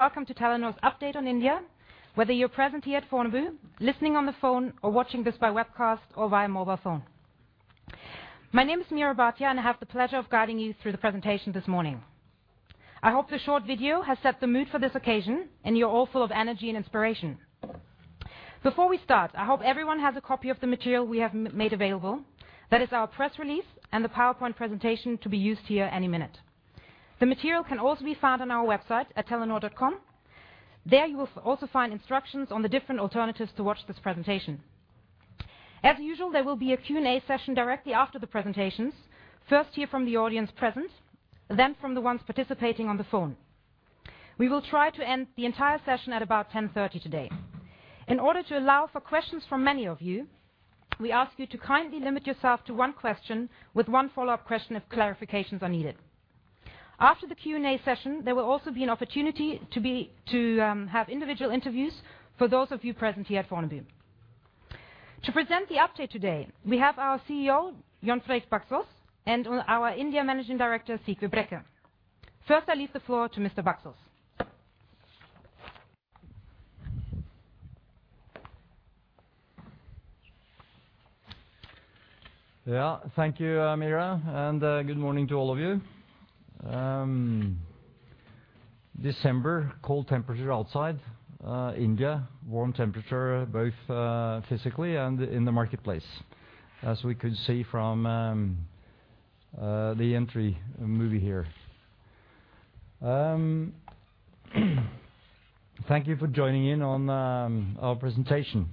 Welcome to Telenor's update on India, whether you're present here at Fornebu, listening on the phone, or watching this by webcast or via mobile phone. My name is Meera Bhatia, and I have the pleasure of guiding you through the presentation this morning. I hope the short video has set the mood for this occasion, and you're all full of energy and inspiration. Before we start, I hope everyone has a copy of the material we have made available. That is our press release and the PowerPoint presentation to be used here any minute. The material can also be found on our website at Telenor.com. There, you will also find instructions on the different alternatives to watch this presentation. As usual, there will be a Q&A session directly after the presentations, first here from the audience present, then from the ones participating on the phone. We will try to end the entire session at about 10:30 today. In order to allow for questions from many of you, we ask you to kindly limit yourself to one question with one follow-up question if clarifications are needed. After the Q&A session, there will also be an opportunity to have individual interviews for those of you present here at Fornebu. To present the update today, we have our CEO, Jon Fredrik Baksaas, and our India Managing Director, Sigve Brekke. First, I leave the floor to Mr. Baksaas. Yeah, thank you, Meera, and good morning to all of you. December, cold temperature outside, India, warm temperature, both physically and in the marketplace, as we could see from the entry movie here. Thank you for joining in on our presentation.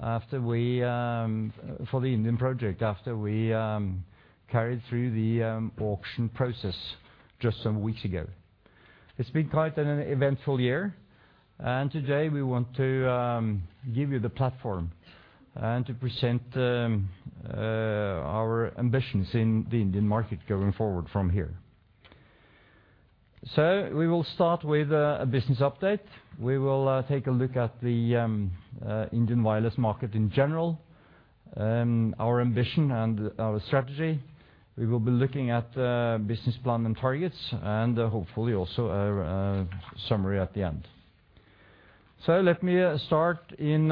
After we, for the Indian project, after we carried through the auction process just some weeks ago. It's been quite an eventful year, and today we want to give you the platform and to present our ambitions in the Indian market going forward from here. So we will start with a business update. We will take a look at the Indian wireless market in general, our ambition and our strategy. We will be looking at business plan and targets, and hopefully, also a summary at the end. So let me start in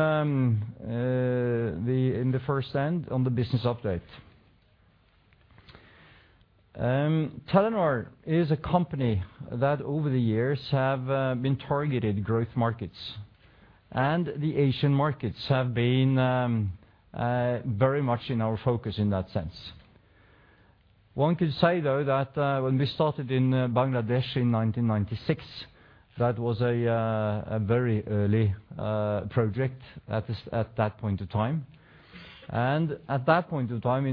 the first end, on the business update. Telenor is a company that, over the years, have been targeted growth markets, and the Asian markets have been very much in our focus in that sense. One could say, though, that when we started in Bangladesh in 1996, that was a very early project at that point in time. At that point in time,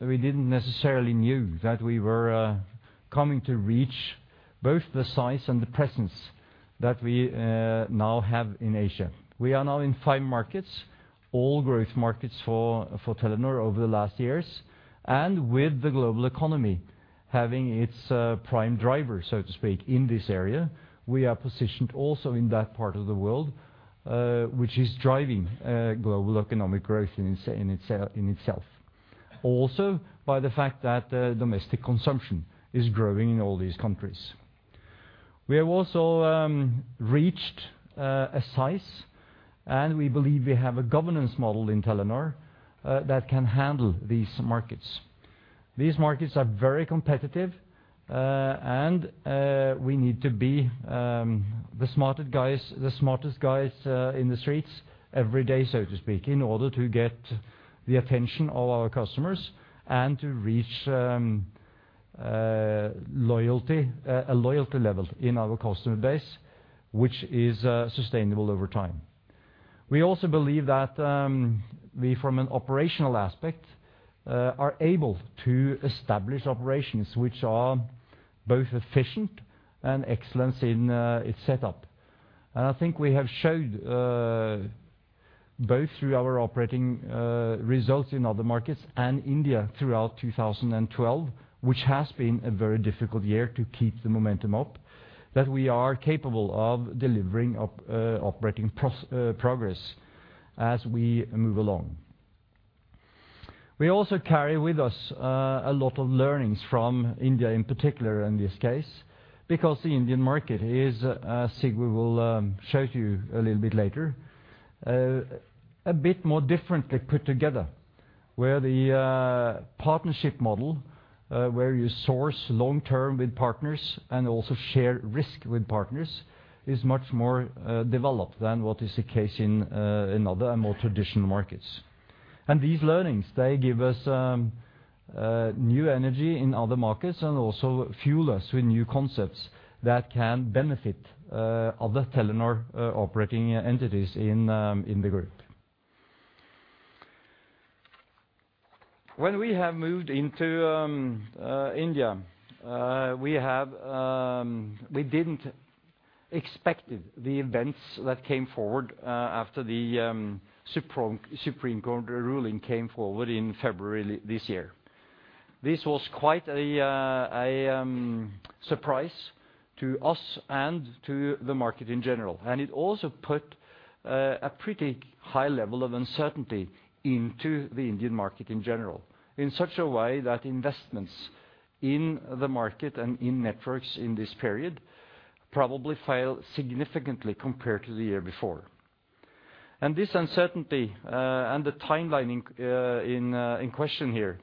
we didn't necessarily knew that we were coming to reach both the size and the presence that we now have in Asia. We are now in five markets, all growth markets for Telenor over the last years, and with the global economy having its prime driver, so to speak, in this area, we are positioned also in that part of the world, which is driving global economic growth in itself. Also, by the fact that domestic consumption is growing in all these countries. We have also reached a size, and we believe we have a governance model in Telenor that can handle these markets. These markets are very competitive, and we need to be the smartest guys, the smartest guys in the streets every day, so to speak, in order to get the attention of our customers and to reach loyalty, a loyalty level in our customer base, which is sustainable over time. We also believe that we, from an operational aspect, are able to establish operations which are both efficient and excellence in its setup. And I think we have showed both through our operating results in other markets and India throughout 2012, which has been a very difficult year to keep the momentum up, that we are capable of delivering operating progress as we move along. We also carry with us a lot of learnings from India in particular in this case, because the Indian market is, Sigve will show to you a little bit later, a bit more differently put together. Where the partnership model, where you source long term with partners and also share risk with partners, is much more developed than what is the case in in other and more traditional markets. And these learnings, they give us new energy in other markets and also fuel us with new concepts that can benefit other Telenor operating entities in in the group. When we have moved into India, we didn't expected the events that came forward after the Supreme Court ruling came forward in February this year. This was quite a surprise to us and to the market in general, and it also put a pretty high level of uncertainty into the Indian market in general, in such a way that investments in the market and in networks in this period probably fell significantly compared to the year before. And this uncertainty and the timeline in question here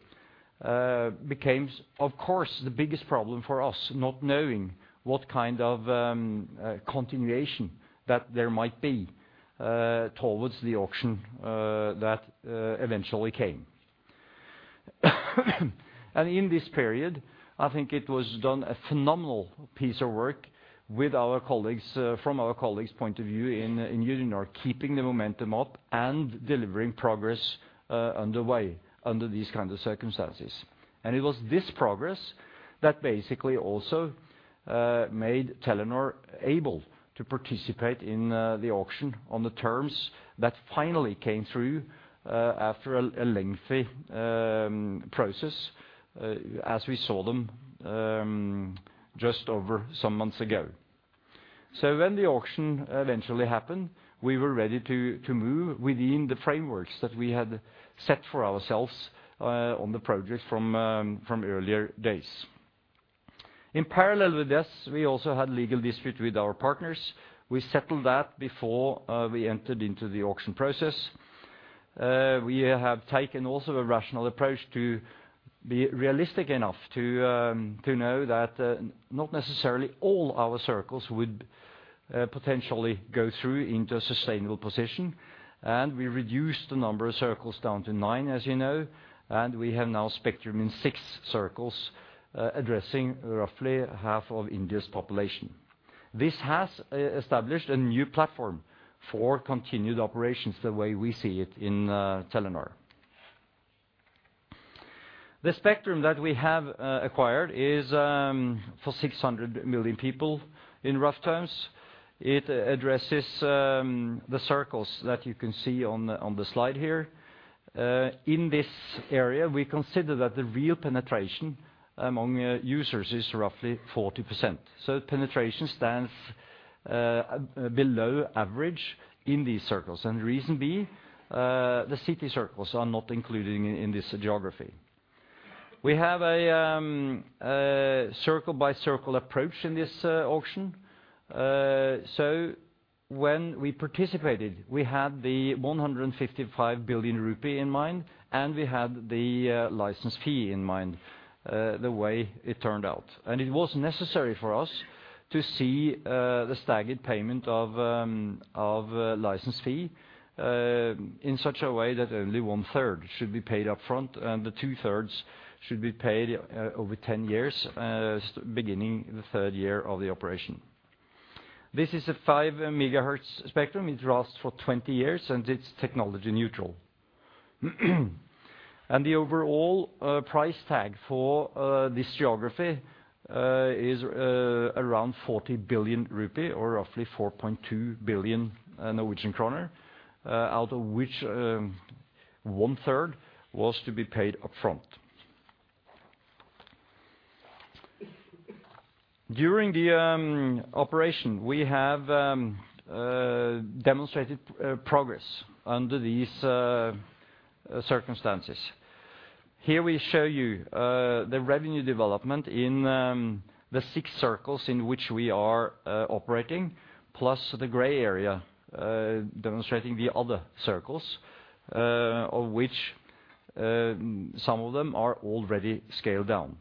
became, of course, the biggest problem for us, not knowing what kind of continuation that there might be towards the auction that eventually came. And in this period, I think it was done a phenomenal piece of work with our colleagues, from our colleagues' point of view, in Uninor, keeping the momentum up and delivering progress underway under these kind of circumstances. It was this progress that basically also made Telenor able to participate in the auction on the terms that finally came through after a lengthy process as we saw them just over some months ago. When the auction eventually happened, we were ready to move within the frameworks that we had set for ourselves on the project from earlier days. In parallel with this, we also had legal dispute with our partners. We settled that before we entered into the auction process. We have taken also a rational approach to be realistic enough to know that not necessarily all our circles would potentially go through into a sustainable position, and we reduced the number of circles down to nine, as you know, and we have now Spectrum in six circles addressing roughly half of India's population. This has established a new platform for continued operations, the way we see it in Telenor. The Spectrum that we have acquired is for 600 million people, in rough terms. It addresses the circles that you can see on the slide here. In this area, we consider that the real penetration among users is roughly 40%. Penetration stands below average in these circles. Reason being, the city circles are not included in this geography. We have a circle-by-circle approach in this auction. So when we participated, we had the 155 billion rupee in mind, and we had the license fee in mind, the way it turned out. It was necessary for us to see the staggered payment of license fee in such a way that only 1/3 should be paid up front, and the 2/3 should be paid over 10 years, beginning the third year of the operation. This is a 5 MHz Spectrum. It lasts for 20 years, and it's technology neutral. The overall price tag for this geography is around 40 billion rupee, or roughly 4.2 billion Norwegian kroner, out of which 1/3 was to be paid up front. During the operation, we have demonstrated progress under these circumstances. Here we show you the revenue development in the six circles in which we are operating, plus the gray area demonstrating the other circles of which some of them are already scaled down.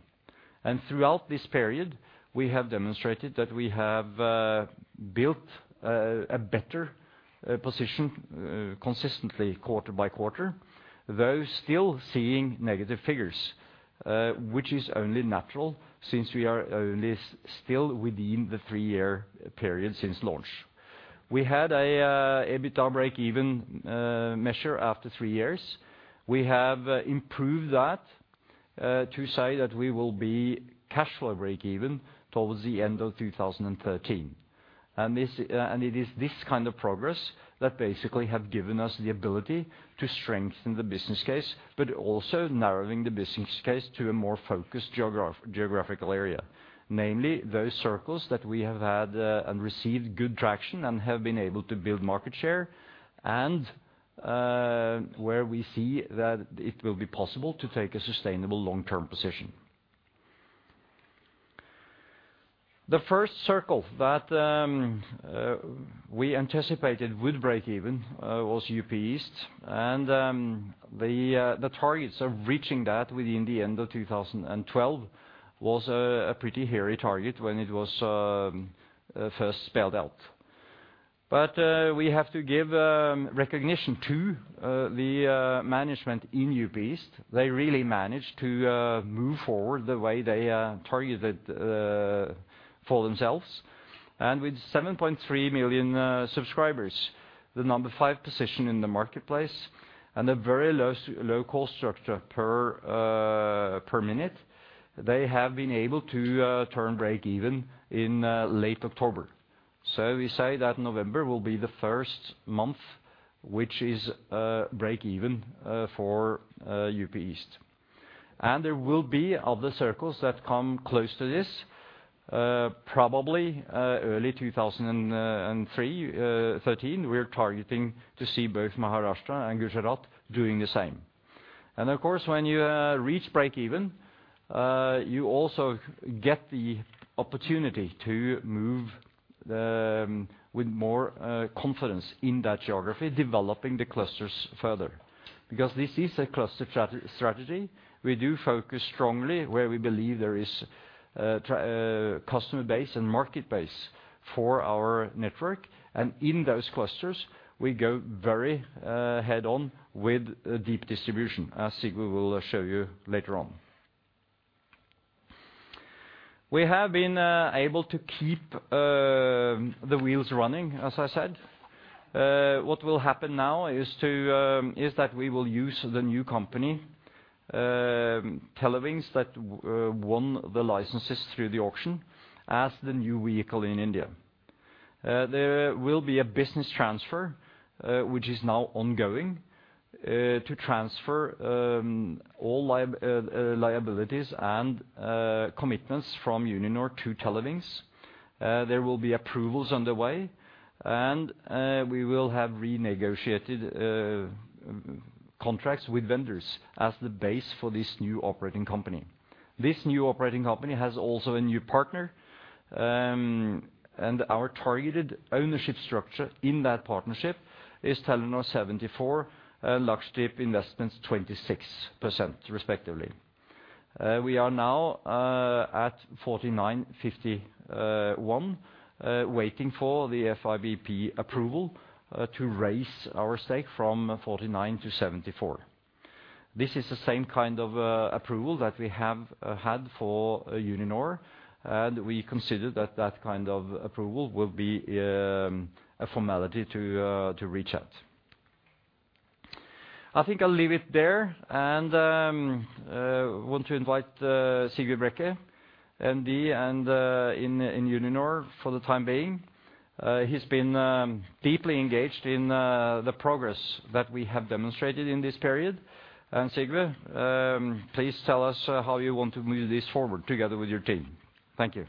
Throughout this period, we have demonstrated that we have built a better position consistently quarter by quarter, though still seeing negative figures, which is only natural since we are only still within the three-year period since launch. We had a EBITDA breakeven measure after three years. We have improved that to say that we will be cash flow breakeven towards the end of 2013. It is this kind of progress that basically have given us the ability to strengthen the business case, but also narrowing the business case to a more focused geographical area. Namely, those circles that we have had and received good traction, and have been able to build market share, and where we see that it will be possible to take a sustainable long-term position. The first circle that we anticipated would breakeven was UP East, and the targets of reaching that within the end of 2012 was a pretty hairy target when it was first spelled out. But we have to give recognition to the management in UP East. They really managed to move forward the way they targeted for themselves. With 7.3 million subscribers, the number five position in the marketplace, and a very low cost structure per minute, they have been able to turn breakeven in late October. So we say that November will be the first month, which is breakeven for UP East. And there will be other circles that come close to this, probably early 2013, we are targeting to see both Maharashtra and Gujarat doing the same. And of course, when you reach breakeven, you also get the opportunity to move with more confidence in that geography, developing the clusters further. Because this is a cluster strategy. We do focus strongly where we believe there is true customer base and market base for our network, and in those clusters, we go very head on with deep distribution, as Sigve will show you later on. We have been able to keep the wheels running, as I said. What will happen now is that we will use the new company, Telewings, that won the licenses through the auction, as the new vehicle in India. There will be a business transfer, which is now ongoing, to transfer all liabilities and commitments from Uninor to Telewings. There will be approvals underway, and we will have renegotiated contracts with vendors as the base for this new operating company. This new operating company has also a new partner, and our targeted ownership structure in that partnership is Telenor 74%, and Lakshdeep Investments 26%, respectively. We are now at 49%, 51%, waiting for the FIPB approval to raise our stake from 49% to 74%. This is the same kind of approval that we have had for Uninor, and we consider that that kind of approval will be a formality to reach out. I think I'll leave it there, and want to invite Sigve Brekke, MD, in Uninor for the time being. He's been deeply engaged in the progress that we have demonstrated in this period. And Sigve, please tell us how you want to move this forward together with your team. Thank you.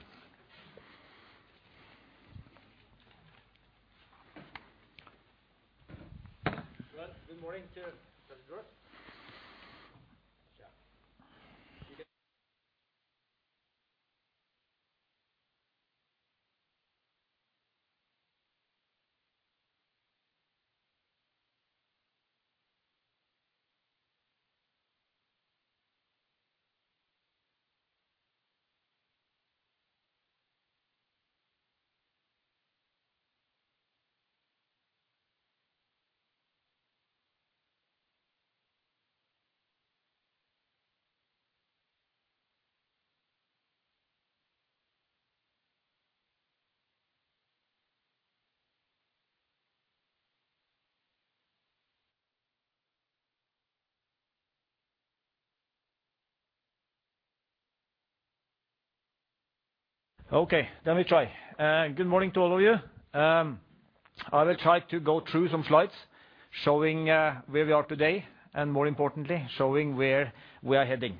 Well, good morning. Yeah. Okay, let me try. Good morning to all of you. I will try to go through some slides showing where we are today, and more importantly, showing where we are heading.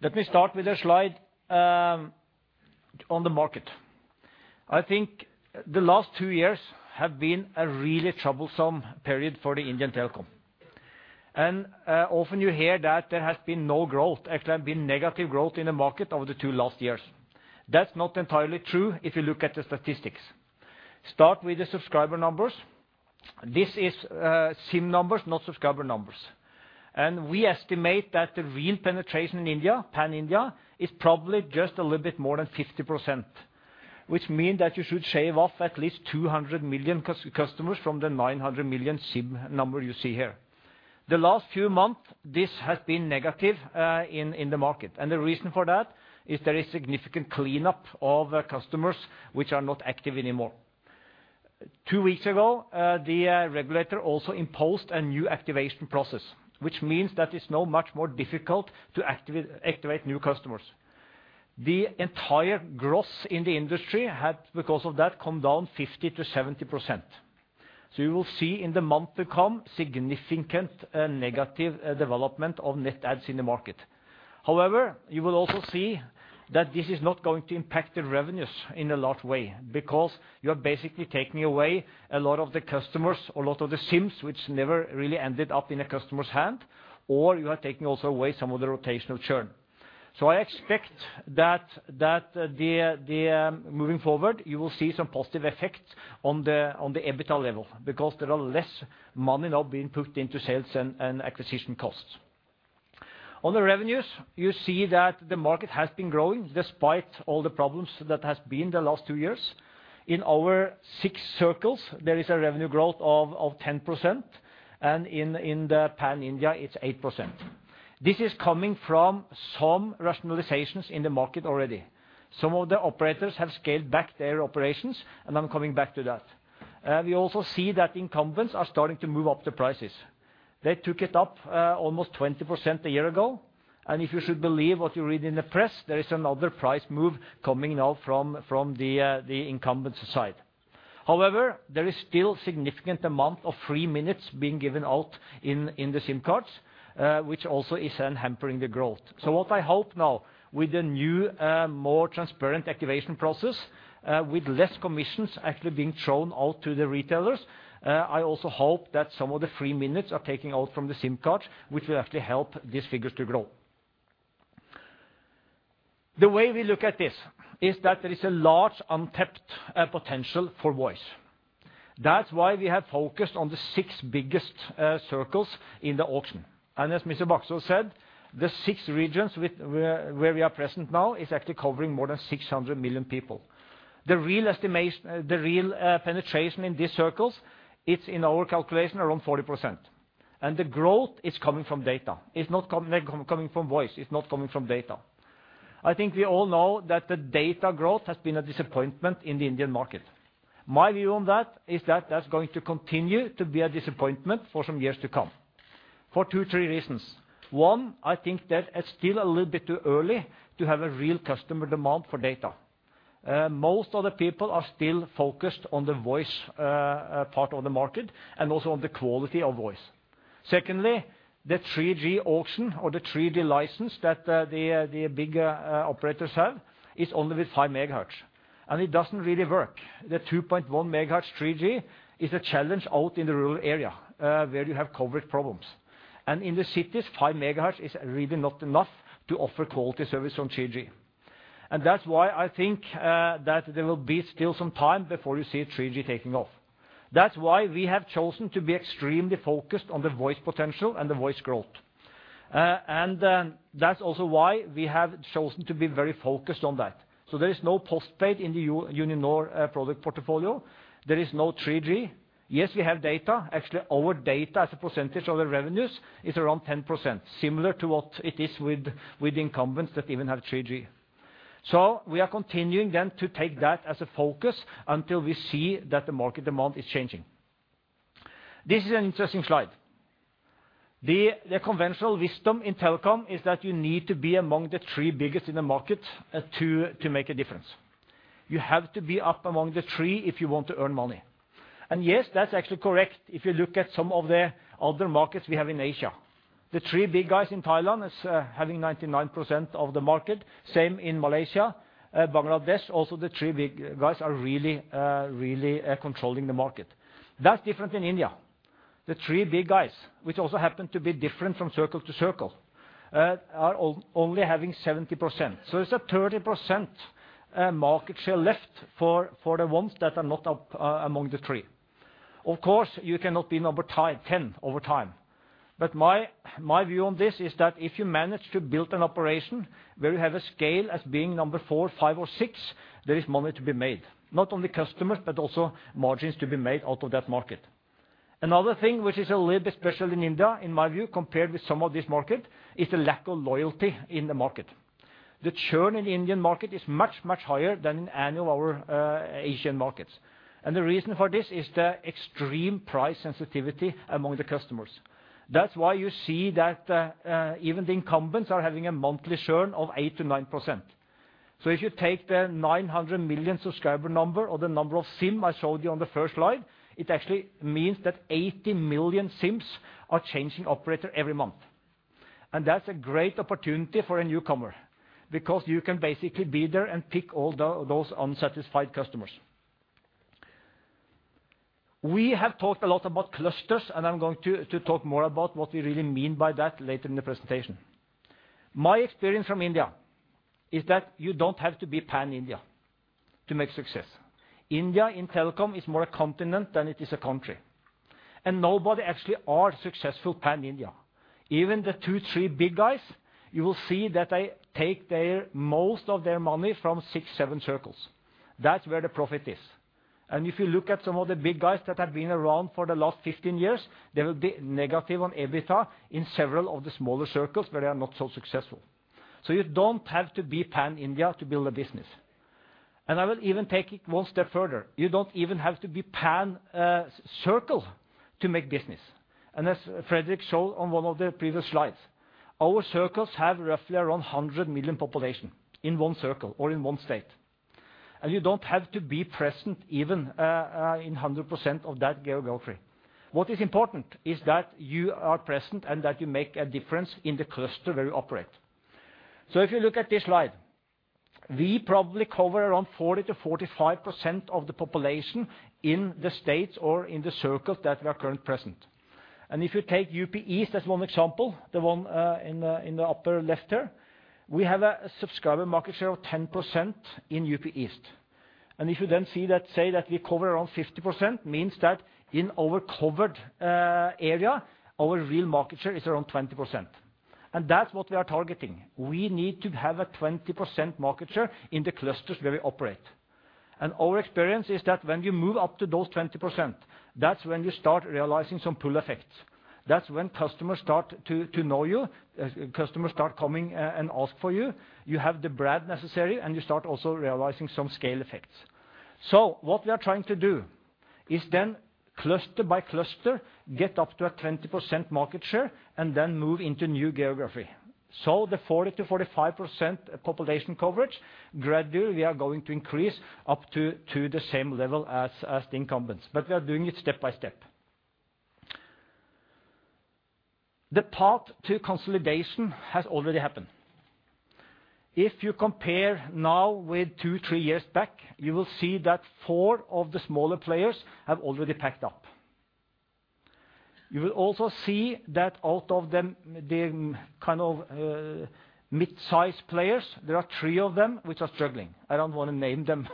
Let me start with a slide on the market. I think the last two years have been a really troublesome period for the Indian telecom. Often you hear that there has been no growth, actually have been negative growth in the market over the two last years. That's not entirely true if you look at the statistics. Start with the subscriber numbers. This is SIM numbers, not subscriber numbers. We estimate that the real penetration in India, Pan-India, is probably just a little bit more than 50%, which mean that you should shave off at least 200 million customers from the 900 million SIM number you see here. The last few months, this has been negative in the market, and the reason for that is there is significant cleanup of customers which are not active anymore. Two weeks ago, the regulator also imposed a new activation process, which means that it's now much more difficult to activate new customers. The entire growth in the industry had, because of that, come down 50%-70%. You will see in the month to come, significant negative development of net adds in the market. However, you will also see that this is not going to impact the revenues in a large way, because you are basically taking away a lot of the customers or a lot of the SIMs, which never really ended up in a customer's hand, or you are taking also away some of the rotational churn. So I expect that the moving forward, you will see some positive effects on the on the EBITDA level, because there are less money now being put into sales and acquisition costs. On the revenues, you see that the market has been growing despite all the problems that has been the last two years. In our six circles, there is a revenue growth of 10%, and in the Pan-India, it's 8%. This is coming from some rationalizations in the market already. Some of the operators have scaled back their operations, and I'm coming back to that. We also see that incumbents are starting to move up the prices. They took it up almost 20% a year ago, and if you should believe what you read in the press, there is another price move coming now from the incumbents' side. However, there is still significant amount of free minutes being given out in the SIM cards, which also is then hampering the growth. So what I hope now, with the new, more transparent activation process, with less commissions actually being thrown out to the retailers, I also hope that some of the free minutes are taken out from the SIM cards, which will actually help these figures to grow. The way we look at this is that there is a large untapped potential for voice. That's why we have focused on the six biggest circles in the auction. And as Mr. Baksaas said, the six regions where we are present now is actually covering more than 600 million people. The real penetration in these circles, it's in our calculation, around 40%, and the growth is coming from data. It's coming from voice, it's not coming from data. I think we all know that the data growth has been a disappointment in the Indian market. My view on that is that that's going to continue to be a disappointment for some years to come, for two, three reasons: One, I think that it's still a little bit too early to have a real customer demand for data. Most of the people are still focused on the voice part of the market, and also on the quality of voice. Secondly, the 3G auction or the 3G license that the big operators have is only with 5 MHz, and it doesn't really work. The 2.1 MHz 3G is a challenge out in the rural area where you have coverage problems. And in the cities, 5 MHz is really not enough to offer quality service on 3G. And that's why I think that there will be still some time before you see 3G taking off. That's why we have chosen to be extremely focused on the voice potential and the voice growth. And that's also why we have chosen to be very focused on that. So there is no postpaid in the Uninor product portfolio. There is no 3G. Yes, we have data. Actually, our data as a percentage of the revenues is around 10%, similar to what it is with the incumbents that even have 3G. So we are continuing then to take that as a focus until we see that the market demand is changing. This is an interesting slide. The conventional wisdom in telecom is that you need to be among the three biggest in the market to make a difference. You have to be up among the three if you want to earn money. And yes, that's actually correct, if you look at some of the other markets we have in Asia. The three big guys in Thailand is having 99% of the market, same in Malaysia. Bangladesh, also, the three big guys are really, really, controlling the market. That's different in India. The three big guys, which also happen to be different from circle to circle, are only having 70%. So it's a 30% market share left for the ones that are not up among the three. Of course, you cannot be number 10 over time, but my, my view on this is that if you manage to build an operation where you have a scale as being number four, five, or six, there is money to be made, not only customers, but also margins to be made out of that market. Another thing which is a little bit special in India, in my view, compared with some of this market, is the lack of loyalty in the market. The churn in the Indian market is much, much higher than in any of our Asian markets, and the reason for this is the extreme price sensitivity among the customers. That's why you see that even the incumbents are having a monthly churn of 8%-9%. So if you take the 900 million subscriber number or the number of SIM I showed you on the first slide, it actually means that 80 million SIMs are changing operator every month. And that's a great opportunity for a newcomer, because you can basically be there and pick all the, those unsatisfied customers. We have talked a lot about clusters, and I'm going to, to talk more about what we really mean by that later in the presentation. My experience from India is that you don't have to be pan-India to make success. India, in telecom, is more a continent than it is a country, and nobody actually are successful pan-India. Even the two, three big guys, you will see that they take their most of their money from six, seven circles. That's where the profit is. And if you look at some of the big guys that have been around for the last 15 years, they will be negative on EBITDA in several of the smaller circles where they are not so successful. So you don't have to be pan-India to build a business. And I will even take it one step further, you don't even have to be pan-circle to make business. And as Fredrik showed on one of the previous slides, our circles have roughly around 100 million population in one circle or in one state, and you don't have to be present even in 100% of that geography. What is important is that you are present and that you make a difference in the cluster where you operate. So if you look at this slide, we probably cover around 40%-45% of the population in the states or in the circles that we are currently present. If you take UP East as one example, the one in the upper left here, we have a subscriber market share of 10% in UP East. If you then see that, say, that we cover around 50%, means that in our covered area, our real market share is around 20%, and that's what we are targeting. We need to have a 20% market share in the clusters where we operate. Our experience is that when you move up to those 20%, that's when you start realizing some pull effects. That's when customers start to know you, customers start coming and ask for you. You have the brand necessary, and you start also realizing some scale effects. So what we are trying to do is then, cluster by cluster, get up to a 20% market share, and then move into new geography. So the 40%-45% population coverage, gradually, we are going to increase up to, to the same level as, as the incumbents, but we are doing it step by step. The path to consolidation has already happened. If you compare now with tow, three years back, you will see that four of the smaller players have already packed up. You will also see that out of them, the kind of, mid-size players, there are three of them which are struggling. I don't wanna name them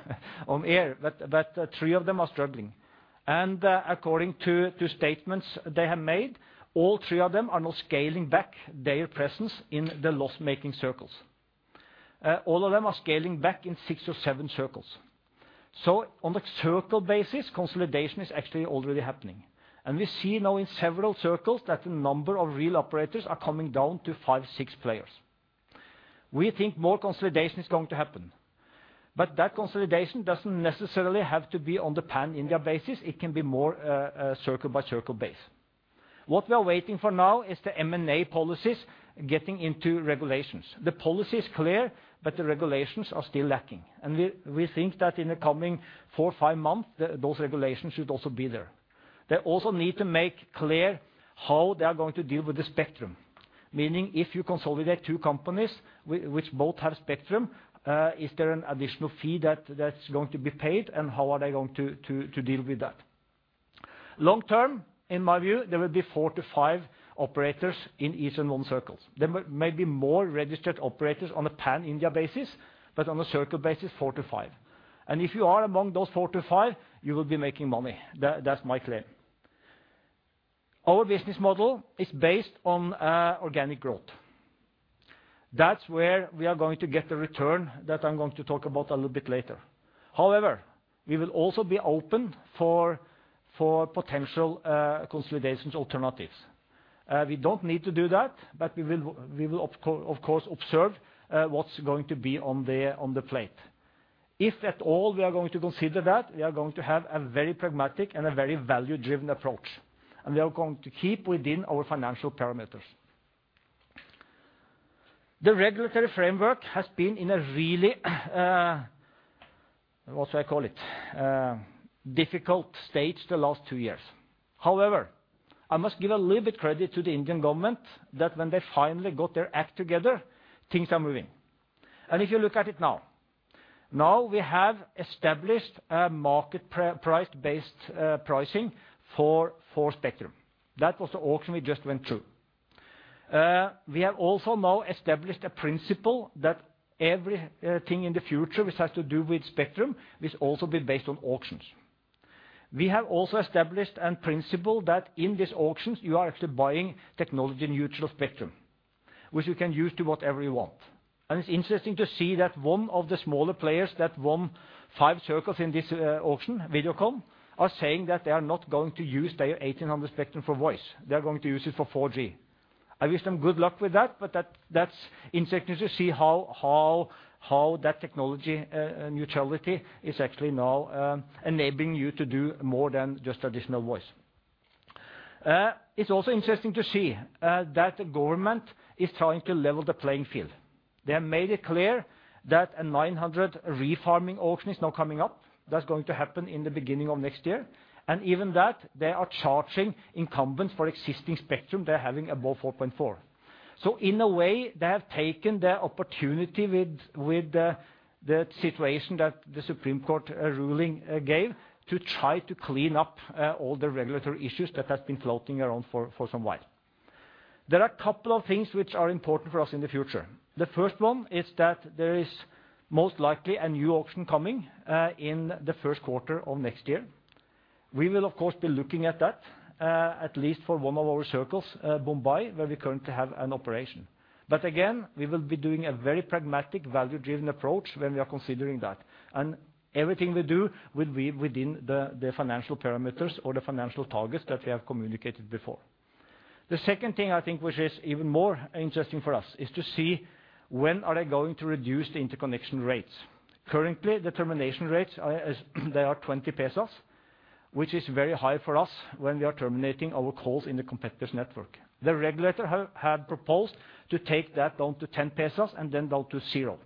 on air, but three of them are struggling. According to statements they have made, all three of them are now scaling back their presence in the loss-making circles. All of them are scaling back in six or seven circles. So on a circle basis, consolidation is actually already happening, and we see now in several circles that the number of real operators are coming down to five, six players. We think more consolidation is going to happen, but that consolidation doesn't necessarily have to be on the Pan-India basis, it can be more a circle-by-circle basis. What we are waiting for now is the M&A policies getting into regulations. The policy is clear, but the regulations are still lacking, and we think that in the coming four, five months, those regulations should also be there. They also need to make clear how they are going to deal with the Spectrum, meaning if you consolidate two companies which both have Spectrum, is there an additional fee that's going to be paid, and how are they going to deal with that? Long term, in my view, there will be four to five operators in each and one circles. There may be more registered operators on a Pan-India basis, but on a circle basis, four to five. And if you are among those four to five, you will be making money. That's my claim. Our business model is based on organic growth. That's where we are going to get the return that I'm going to talk about a little bit later. However, we will also be open for potential consolidation alternatives. We don't need to do that, but we will, we will of course, observe what's going to be on the plate. If at all we are going to consider that, we are going to have a very pragmatic and a very value-driven approach, and we are going to keep within our financial parameters. The regulatory framework has been in a really, what do I call it? difficult stage the last two years. However, I must give a little bit credit to the Indian government, that when they finally got their act together, things are moving. And if you look at it now, now we have established a market price-based pricing for Spectrum. That was the auction we just went through. We have also now established a principle that every thing in the future which has to do with Spectrum, will also be based on auctions. We have also established a principle that in these auctions, you are actually buying technology neutral Spectrum, which you can use to whatever you want. It's interesting to see that one of the smaller players that won five circles in this auction, Videocon, are saying that they are not going to use their 1800 Spectrum for voice. They are going to use it for 4G. I wish them good luck with that, but that, that's interesting to see how that technology neutrality is actually now enabling you to do more than just traditional voice. It's also interesting to see that the government is trying to level the playing field. They have made it clear that a 900 refarming auction is now coming up. That's going to happen in the beginning of next year, and even that, they are charging incumbents for existing Spectrum they're having above 4.4. So in a way, they have taken the opportunity with the situation that the Supreme Court ruling gave to try to clean up all the regulatory issues that have been floating around for some while. There are a couple of things which are important for us in the future. The first one is that there is most likely a new auction coming in the first quarter of next year. We will, of course, be looking at that at least for one of our circles, Mumbai, where we currently have an operation. But again, we will be doing a very pragmatic, value-driven approach when we are considering that, and everything we do will be within the financial parameters or the financial targets that we have communicated before. The second thing, I think, which is even more interesting for us, is to see when are they going to reduce the interconnection rates? Currently, the termination rates are INR 0.20, which is very high for us when we are terminating our calls in the competitor's network. The regulator have, had proposed to take that down to INR 0.10, and then down to 0.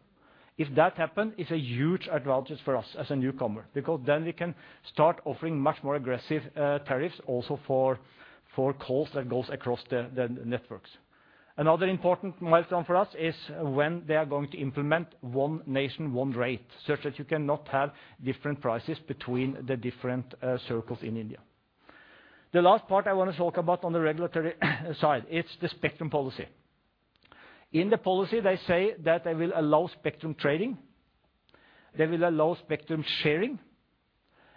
If that happen, it's a huge advantage for us as a newcomer, because then we can start offering much more aggressive, tariffs also for calls that goes across the, the networks. Another important milestone for us is when they are going to implement one nation, one rate, such that you cannot have different prices between the different circles in India. The last part I want to talk about on the regulatory side, it's the Spectrum policy. In the policy, they say that they will allow Spectrum trading, they will allow Spectrum sharing,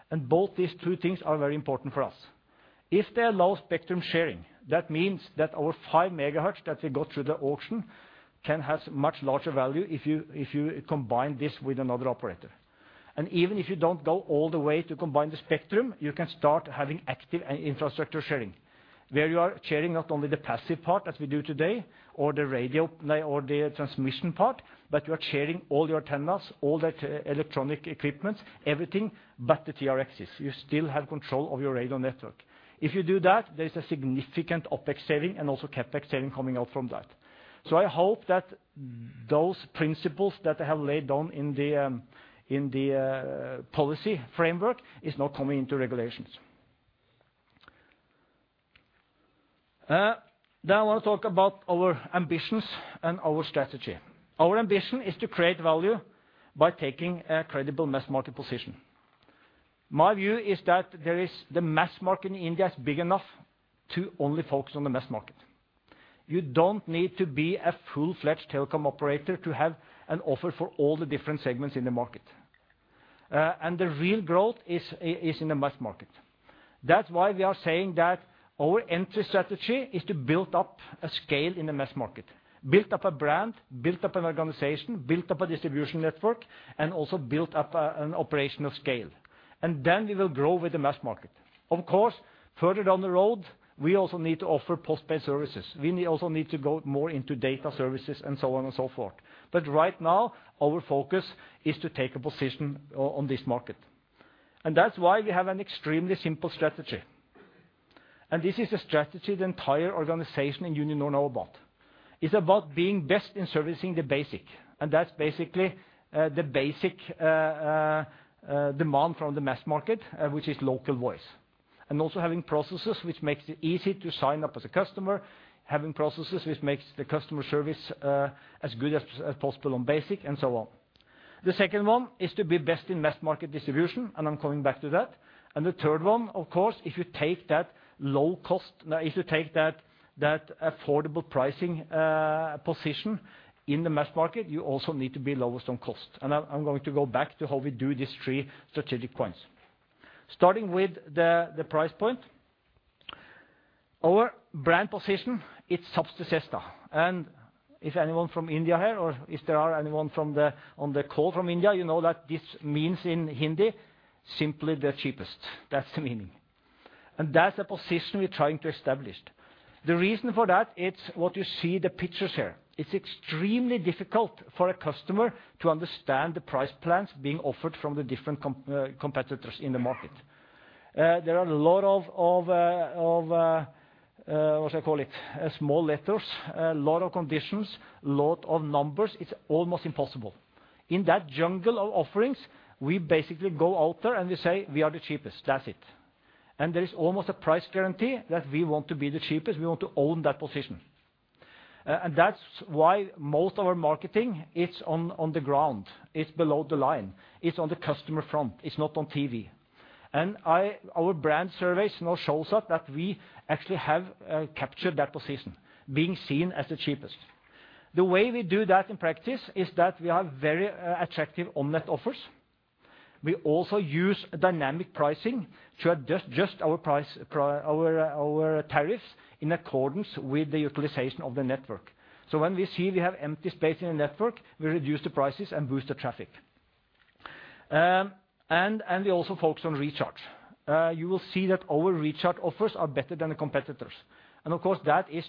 and both these two things are very important for us. If they allow Spectrum sharing, that means that our 5 MHz that we got through the auction can have much larger value if you, if you combine this with another operator. Even if you don't go all the way to combine the Spectrum, you can start having active and infrastructure sharing, where you are sharing not only the passive part, as we do today, or the radio play, or the transmission part, but you are sharing all the antennas, all the electronic equipments, everything but the TRXs. You still have control of your radio network. If you do that, there's a significant OpEx saving and also CapEx saving coming out from that. So I hope that those principles that they have laid down in the policy framework is now coming into regulations. Now I want to talk about our ambitions and our strategy. Our ambition is to create value by taking a credible mass market position. My view is that the mass market in India is big enough to only focus on the mass market. You don't need to be a full-fledged telecom operator to have an offer for all the different segments in the market. And the real growth is in the mass market. That's why we are saying that our entry strategy is to build up a scale in the mass market, build up a brand, build up an organization, build up a distribution network, and also build up an operational scale, and then we will grow with the mass market. Of course, further down the road, we also need to offer postpaid services. We also need to go more into data services and so on and so forth. But right now, our focus is to take a position on this market, and that's why we have an extremely simple strategy. This is a strategy the entire organization in Uninor know about. It's about being best in servicing the basic, and that's basically the basic demand from the mass market, which is local voice. Also having processes which makes it easy to sign up as a customer, having processes which makes the customer service as good as possible on basic, and so on. The second one is to be best in mass market distribution, and I'm coming back to that. The third one, of course, if you take that low cost - now, if you take that affordable pricing position in the mass market, you also need to be lowest on cost. I'm going to go back to how we do these three strategic points. Starting with the price point. Our brand position, it's Sabse Sasta. And if anyone from India here, or if there are anyone on the call from India, you know that this means in Hindi, simply the cheapest. That's the meaning, and that's the position we're trying to establish. The reason for that, it's what you see the pictures here. It's extremely difficult for a customer to understand the price plans being offered from the different competitors in the market. There are a lot of what I call it? Small letters, a lot of conditions, a lot of numbers. It's almost impossible. In that jungle of offerings, we basically go out there, and we say, "We are the cheapest." That's it. There is almost a price guarantee that we want to be the cheapest. We want to own that position. And that's why most of our marketing, it's on the ground, it's below the line, it's on the customer front, it's not on TV. Our brand surveys now shows us that we actually have captured that position, being seen as the cheapest. The way we do that in practice is that we have very attractive online offers. We also use dynamic pricing to adjust just our price, our tariffs in accordance with the utilization of the network. So when we see we have empty space in the network, we reduce the prices and boost the traffic. And we also focus on recharge. You will see that our recharge offers are better than the competitors. Of course, that is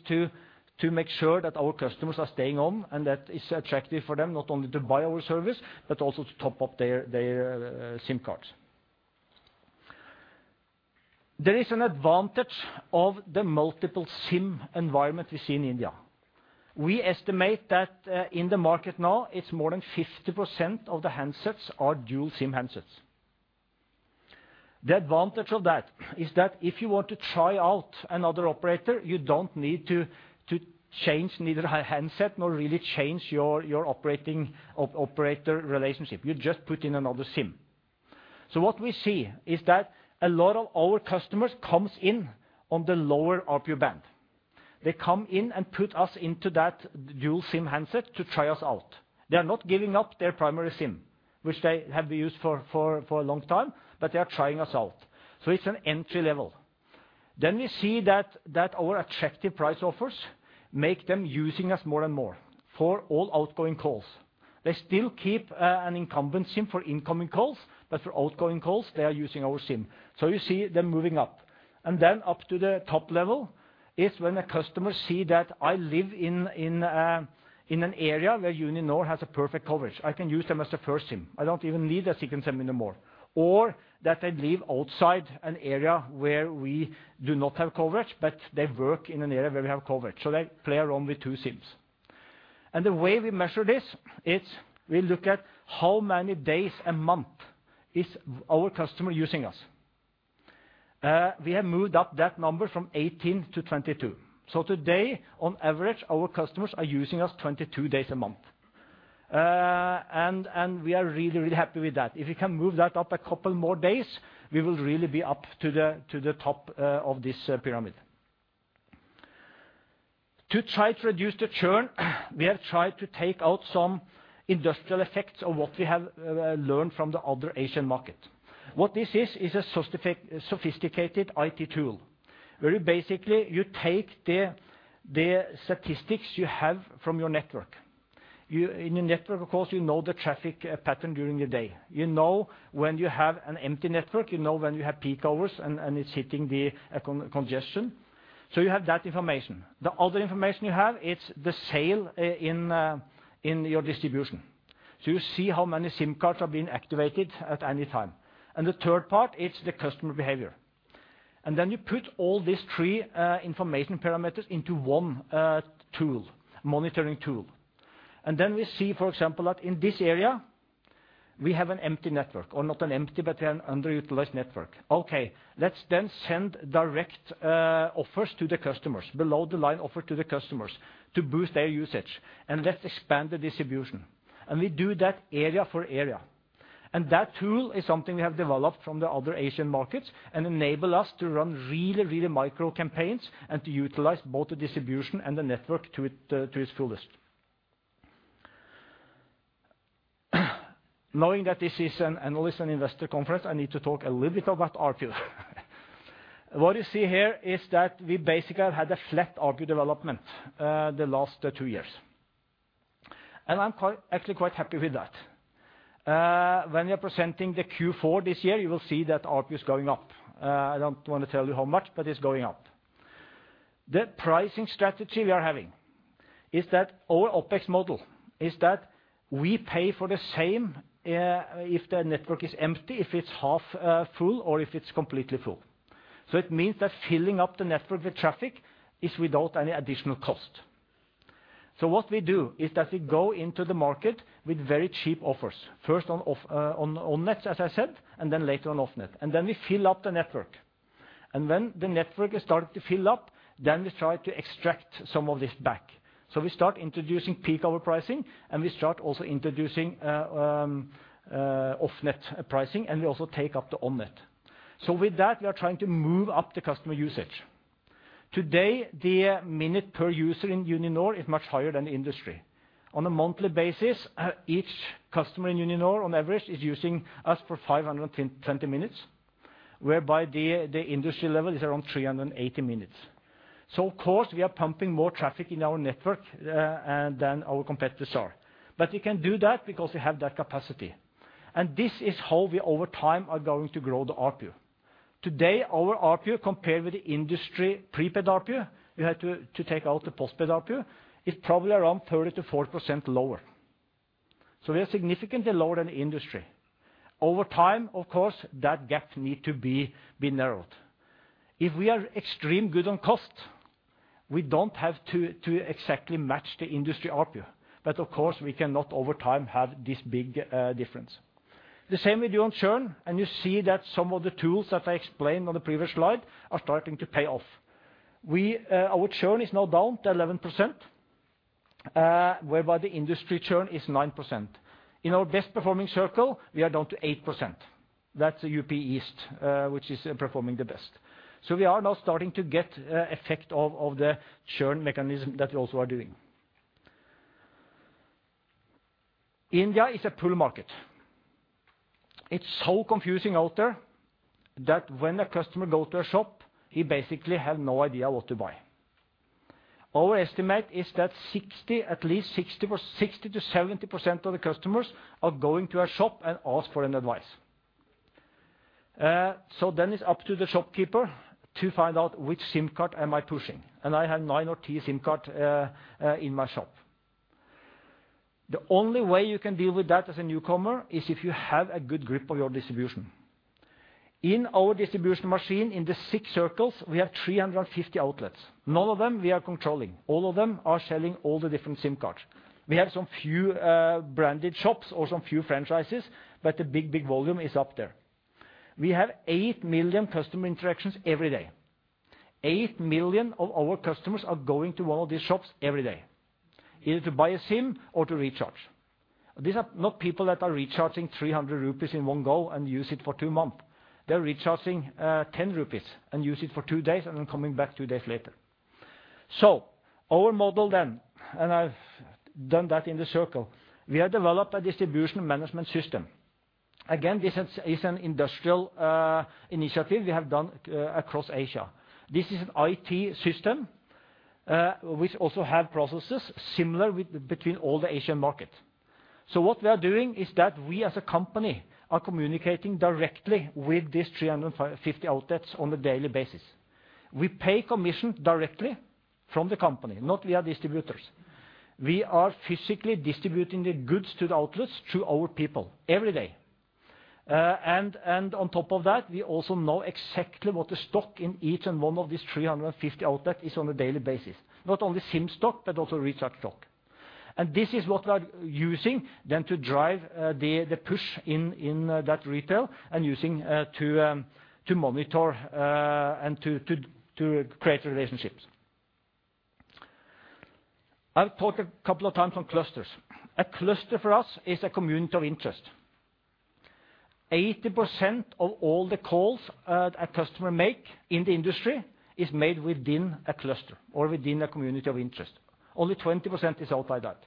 to make sure that our customers are staying on, and that it's attractive for them, not only to buy our service, but also to top up their SIM cards. There is an advantage of the multiple SIM environment we see in India. We estimate that in the market now, it's more than 50% of the handsets are dual SIM handsets. The advantage of that is that if you want to try out another operator, you don't need to change neither handset nor really change your operator relationship. You just put in another SIM. So what we see is that a lot of our customers comes in on the lower ARPU band. They come in and put us into that dual SIM handset to try us out. They are not giving up their primary SIM, which they have used for a long time, but they are trying us out. So it's an entry level. Then we see that our attractive price offers make them using us more and more for all outgoing calls. They still keep an incumbent SIM for incoming calls, but for outgoing calls, they are using our SIM. So you see them moving up. And then up to the top level is when a customer see that I live in an area where Uninor has a perfect coverage, I can use them as a first SIM. I don't even need a second SIM anymore, or that they live outside an area where we do not have coverage, but they work in an area where we have coverage, so they play around with two SIMs. The way we measure this is we look at how many days a month is our customer using us. We have moved up that number from 18 to 22. So today, on average, our customers are using us 22 days a month. And we are really, really happy with that. If we can move that up a couple more days, we will really be up to the top of this pyramid. To try to reduce the churn, we have tried to take out some industrial effects of what we have learned from the other Asian market. What this is, is a sophisticated IT tool, where you basically you take the statistics you have from your network. In your network, of course, you know the traffic pattern during the day. You know when you have an empty network, you know when you have peak hours, and it's hitting the congestion. So you have that information. The other information you have, it's the sales in your distribution. So you see how many SIM cards are being activated at any time. And the third part, it's the customer behavior. And then you put all these three information parameters into one tool, monitoring tool. And then we see, for example, that in this area, we have an empty network, or not an empty, but an underutilized network. Okay, let's then send direct offers to the customers, below the line offer to the customers to boost their usage, and let's expand the distribution. And we do that area for area. That tool is something we have developed from the other Asian markets, and enable us to run really, really micro campaigns, and to utilize both the distribution and the network to it, to its fullest. Knowing that this is an analyst and investor conference, I need to talk a little bit about ARPU. What you see here is that we basically had a flat ARPU development, the last two years, and I'm quite, actually quite happy with that. When we are presenting the Q4 this year, you will see that ARPU is going up. I don't want to tell you how much, but it's going up. The pricing strategy we are having is that our OpEx model is that we pay for the same, if the network is empty, if it's half, full, or if it's completely full. So it means that filling up the network with traffic is without any additional cost. So what we do is that we go into the market with very cheap offers. First, on-net, as I said, and then later on off-net, and then we fill up the network. And when the network has started to fill up, then we try to extract some of this back. So we start introducing peak hour pricing, and we start also introducing off-net pricing, and we also take up the on-net. So with that, we are trying to move up the customer usage. Today, the minute per user in Uninor is much higher than the industry. On a monthly basis, each customer in Uninor, on average, is using us for 520 minutes, whereby the industry level is around 380 minutes. So of course, we are pumping more traffic in our network than our competitors are. But we can do that because we have that capacity, and this is how we, over time, are going to grow the ARPU. Today, our ARPU, compared with the industry prepaid ARPU, we had to, to take out the postpaid ARPU, is probably around 30%-40% lower. So we are significantly lower than the industry. Over time, of course, that gap need to be, be narrowed. If we are extreme good on cost, we don't have to, to exactly match the industry ARPU. But of course, we cannot over time, have this big difference. The same we do on churn, and you see that some of the tools that I explained on the previous slide are starting to pay off. Our churn is now down to 11%, whereby the industry churn is 9%. In our best performing circle, we are down to 8%. That's UP East, which is performing the best. So we are now starting to get effect of the churn mechanism that we also are doing. India is a pull market. It's so confusing out there, that when a customer go to a shop, he basically have no idea what to buy. Our estimate is that 60, at least 60, or 60%-70% of the customers are going to a shop and ask for an advice. So then it's up to the shopkeeper to find out which SIM card am I pushing, and I have nine or 10 SIM card in my shop. The only way you can deal with that as a newcomer is if you have a good grip of your distribution. In our distribution machine, in the six circles, we have 350 outlets. None of them we are controlling. All of them are selling all the different SIM cards. We have some few branded shops or some few franchises, but the big, big volume is up there. We have 8 million customer interactions every day. 8 million of our customers are going to one of these shops every day, either to buy a SIM or to recharge. These are not people that are recharging 300 rupees in one go and use it for two month. They're recharging 10 rupees and use it for two days, and then coming back two days later. So our model then, and I've done that in the circle, we have developed a distribution management system. Again, this is an industrial initiative we have done across Asia. This is an IT system, which also have processes similar between all the Asian markets. So what we are doing is that we as a company are communicating directly with these 350 outlets on a daily basis. We pay commission directly from the company, not via distributors. We are physically distributing the goods to the outlets, through our people, every day. On top of that, we also know exactly what the stock in each and one of these 350 outlet is on a daily basis. Not only SIM stock, but also recharge stock. And this is what we are using then to drive the push in that retail, and using to monitor and to create relationships. I've talked a couple of times on clusters. A cluster for us is a community of interest. 80% of all the calls a customer make in the industry is made within a cluster or within a community of interest. Only 20% is out by that.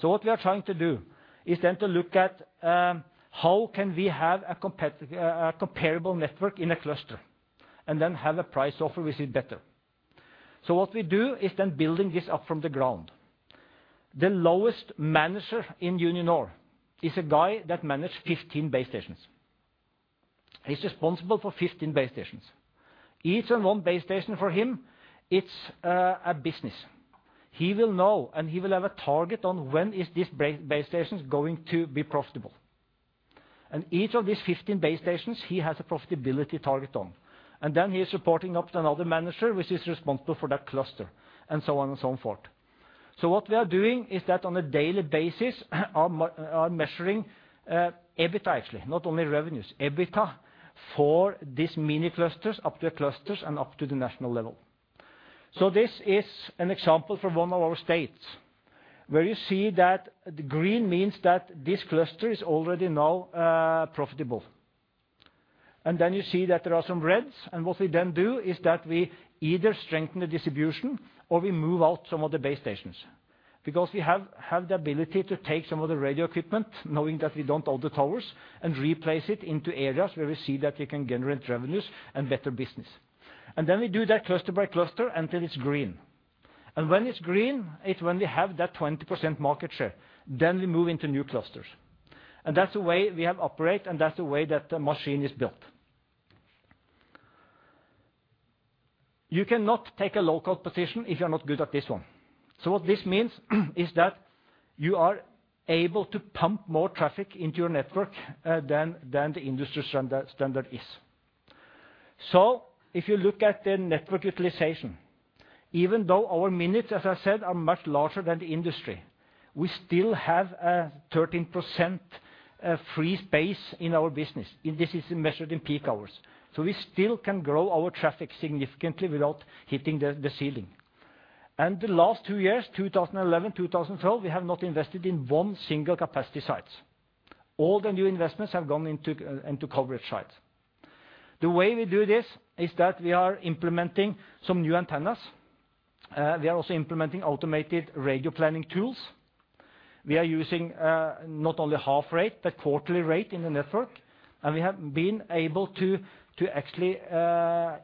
So what we are trying to do is then to look at how can we have a comparable network in a cluster, and then have a price offer which is better? So what we do is then building this up from the ground. The lowest manager in Uninor is a guy that manages 15 base stations. He's responsible for 15 base stations. Each and one base station for him, it's a business. He will know, and he will have a target on when is this base stations going to be profitable. And each of these 15 base stations, he has a profitability target on, and then he is reporting up to another manager, which is responsible for that cluster, and so on and so forth. So what we are doing is that on a daily basis, are measuring EBITDA, actually, not only revenues, EBITDA, for these mini clusters, up to the clusters and up to the national level. So this is an example from one of our states, where you see that the green means that this cluster is already now profitable. And then you see that there are some reds, and what we then do is that we either strengthen the distribution or we move out some of the base stations. Because we have the ability to take some of the radio equipment, knowing that we don't own the towers, and replace it into areas where we see that we can generate revenues and better business. And then we do that cluster by cluster until it's green. And when it's green, it's when we have that 20% market share, then we move into new clusters. And that's the way we have operate, and that's the way that the machine is built. You cannot take a local position if you're not good at this one. So what this means is that you are able to pump more traffic into your network than the industry standard is. So if you look at the network utilization, even though our minutes, as I said, are much larger than the industry, we still have a 13% free space in our business, and this is measured in peak hours. So we still can grow our traffic significantly without hitting the ceiling. And the last two years, 2011, 2012, we have not invested in one single capacity sites. All the new investments have gone into coverage sites. The way we do this is that we are implementing some new antennas. We are also implementing automated radio planning tools. We are using not only half rate, but Quarter Rate in the network, and we have been able to actually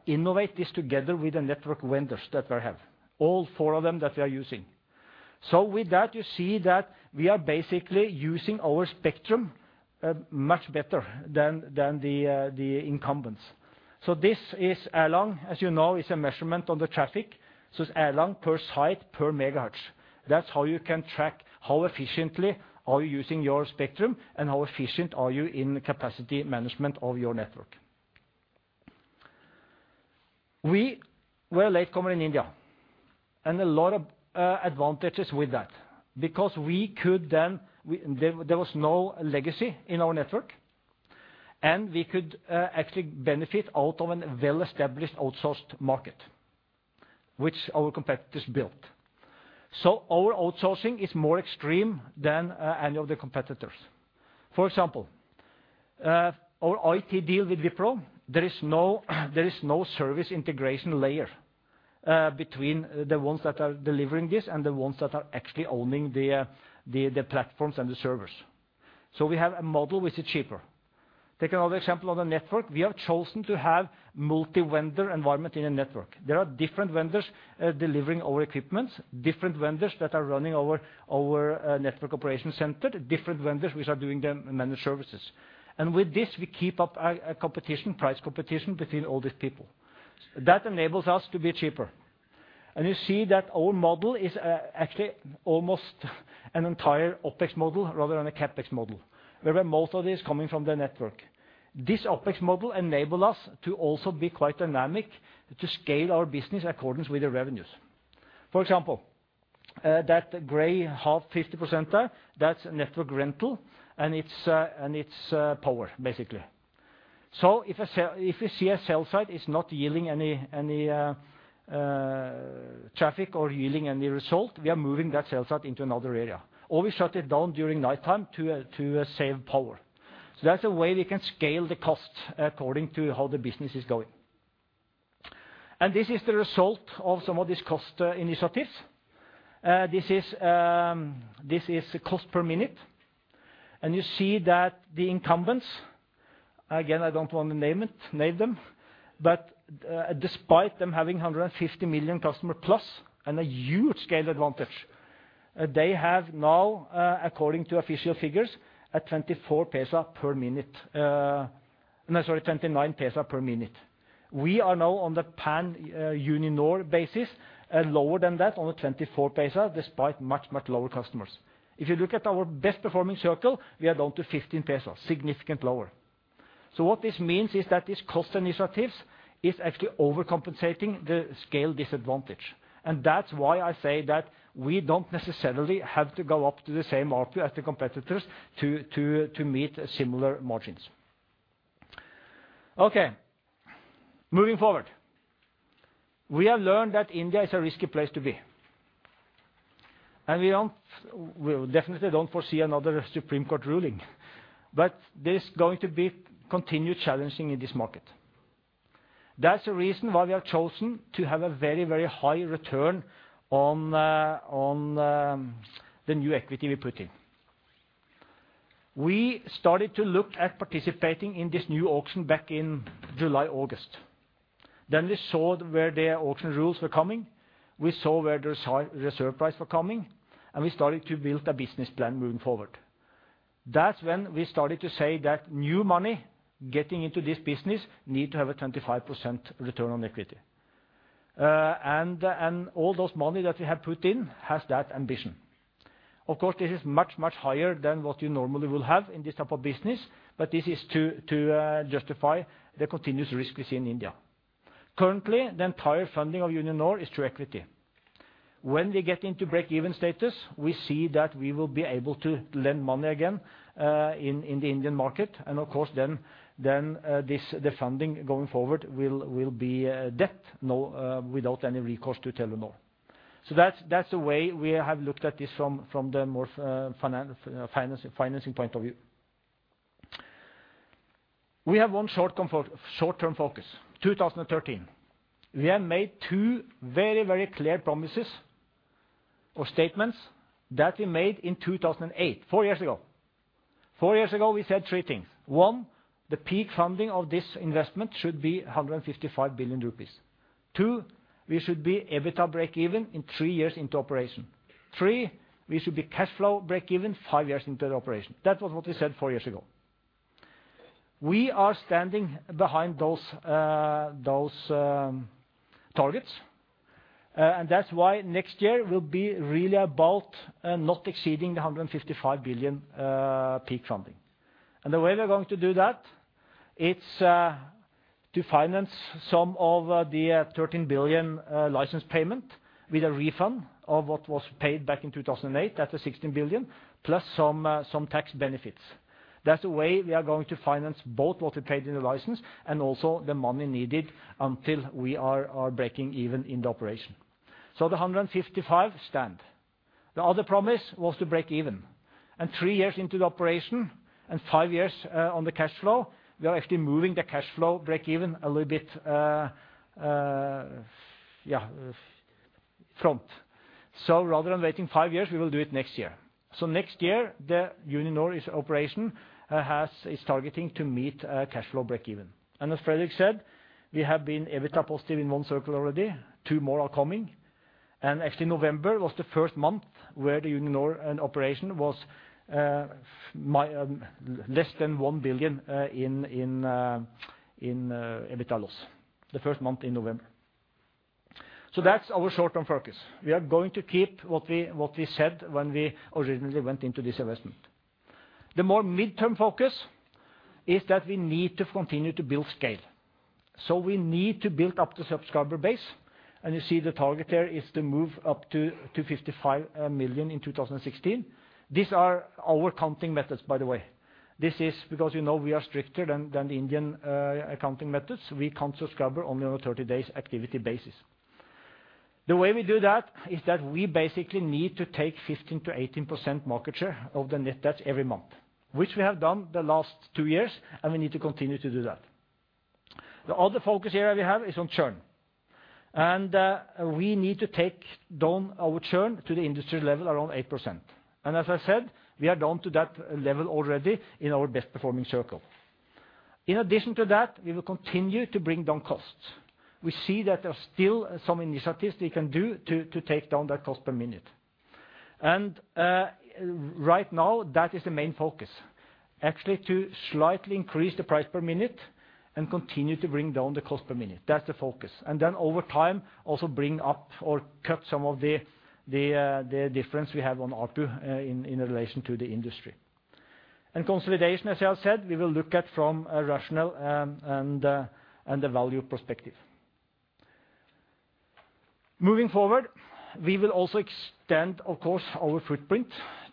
innovate this together with the network vendors that we have, all four of them that we are using. So with that, you see that we are basically using our Spectrum, much better than the incumbents. So this is Erlang, as you know, is a measurement on the traffic, so it's Erlang per site, per megahertz. That's how you can track how efficiently are you using your Spectrum, and how efficient are you in capacity management of your network. We were a late comer in India, and a lot of advantages with that. Because we could then there was no legacy in our network, and we could actually benefit out of a well-established outsourced market, which our competitors built. So our outsourcing is more extreme than any of the competitors. For example, our IT deal with Wipro, there is no, there is no service integration layer between the ones that are delivering this and the ones that are actually owning the platforms and the servers. So we have a model which is cheaper. Take another example on the network. We have chosen to have multi-vendor environment in a network. There are different vendors delivering our equipments, different vendors that are running our network operation center, different vendors which are doing the managed services. And with this, we keep up a competition, price competition between all these people. That enables us to be cheaper. And you see that our model is actually almost an entire OpEx model rather than a CapEx model, wherein most of this is coming from the network. This OpEx model enable us to also be quite dynamic, to scale our business accordance with the revenues. For example, that gray half 50% there, that's network rental, and it's and it's power, basically. So if a cell, if we see a cell site is not yielding any, any traffic or yielding any result, we are moving that cell site into another area, or we shut it down during nighttime to save power. So that's a way we can scale the costs according to how the business is going. And this is the result of some of these cost initiatives. This is cost per minute, and you see that the incumbents, again, I don't want to name it, name them, but, despite them having 150 million customer plus and a huge scale advantage, they have now, according to official figures, 0.29 per minute. No, sorry, 0.29 per minute. We are now on the pan-India Uninor basis, lower than that, 0.24, despite much, much lower customers. If you look at our best performing circle, we are down to 0.15, significantly lower. So what this means is that these cost initiatives is actually overcompensating the scale disadvantage. And that's why I say that we don't necessarily have to go up to the same output as the competitors to, to, to meet similar margins. Okay, moving forward. We have learned that India is a risky place to be. And we don't, we definitely don't foresee another Supreme Court ruling, but there's going to be continued challenging in this market. That's the reason why we have chosen to have a very, very high return on the new equity we put in. We started to look at participating in this new auction back in July, August. Then we saw where the auction rules were coming, we saw where the reserve price were coming, and we started to build a business plan moving forward. That's when we started to say that new money getting into this business need to have a 25% return on equity. And all those money that we have put in has that ambition. Of course, this is much, much higher than what you normally will have in this type of business, but this is to justify the continuous risk we see in India. Currently, the entire funding of Uninor is through equity. When we get into breakeven status, we see that we will be able to lend money again in the Indian market. And of course, then this, the funding going forward will be debt without any recourse to Telenor. So that's the way we have looked at this from the more financing point of view. We have one short-term focus, 2013. We have made two very, very clear promises or statements that we made in 2008, four years ago. Four years ago, we said three things: one, the peak funding of this investment should be 155 billion rupees. Two, we should be EBITDA breakeven in three years into operation. Three, we should be cash flow breakeven five years into the operation. That was what we said four years ago. We are standing behind those, targets, and that's why next year will be really about, not exceeding the 155 billion, peak funding. And the way we are going to do that, it's, to finance some of the, 13 billion, license payment with a refund of what was paid back in 2008, that's the 16 billion, plus some tax benefits. That's the way we are going to finance both what we paid in the license and also the money needed until we are breaking even in the operation. So the 155 billion stand. The other promise was to breakeven, and three years into the operation and five years on the cash flow, we are actually moving the cash flow breakeven a little bit, yeah, front. So rather than waiting five years, we will do it next year. So next year, the Uninor operation is targeting to meet cash flow breakeven. And as Fredrik said, we have been EBITDA positive in one circle already, two more are coming. And actually, November was the first month where the Uninor operation was less than 1 billion in EBITDA loss, the first month in November. So that's our short-term focus. We are going to keep what we said when we originally went into this investment. The more midterm focus is that we need to continue to build scale, so we need to build up the subscriber base, and you see the target there is to move up to 55 million in 2016. These are our accounting methods, by the way. This is because, you know, we are stricter than the Indian accounting methods. We count subscriber only on a 30-day activity basis. The way we do that is that we basically need to take 15%-18% market share of the net adds every month, which we have done the last two years, and we need to continue to do that. The other focus area we have is on churn, and we need to take down our churn to the industry level, around 8%. As I said, we are down to that level already in our best performing circle. In addition to that, we will continue to bring down costs. We see that there are still some initiatives we can do to take down that cost per minute. And right now, that is the main focus, actually, to slightly increase the price per minute and continue to bring down the cost per minute. That's the focus. And then over time, also bring up or cut some of the, the difference we have on ARPU in relation to the industry. And consolidation, as I have said, we will look at from a rational and a value perspective. Moving forward, we will also extend, of course, our footprint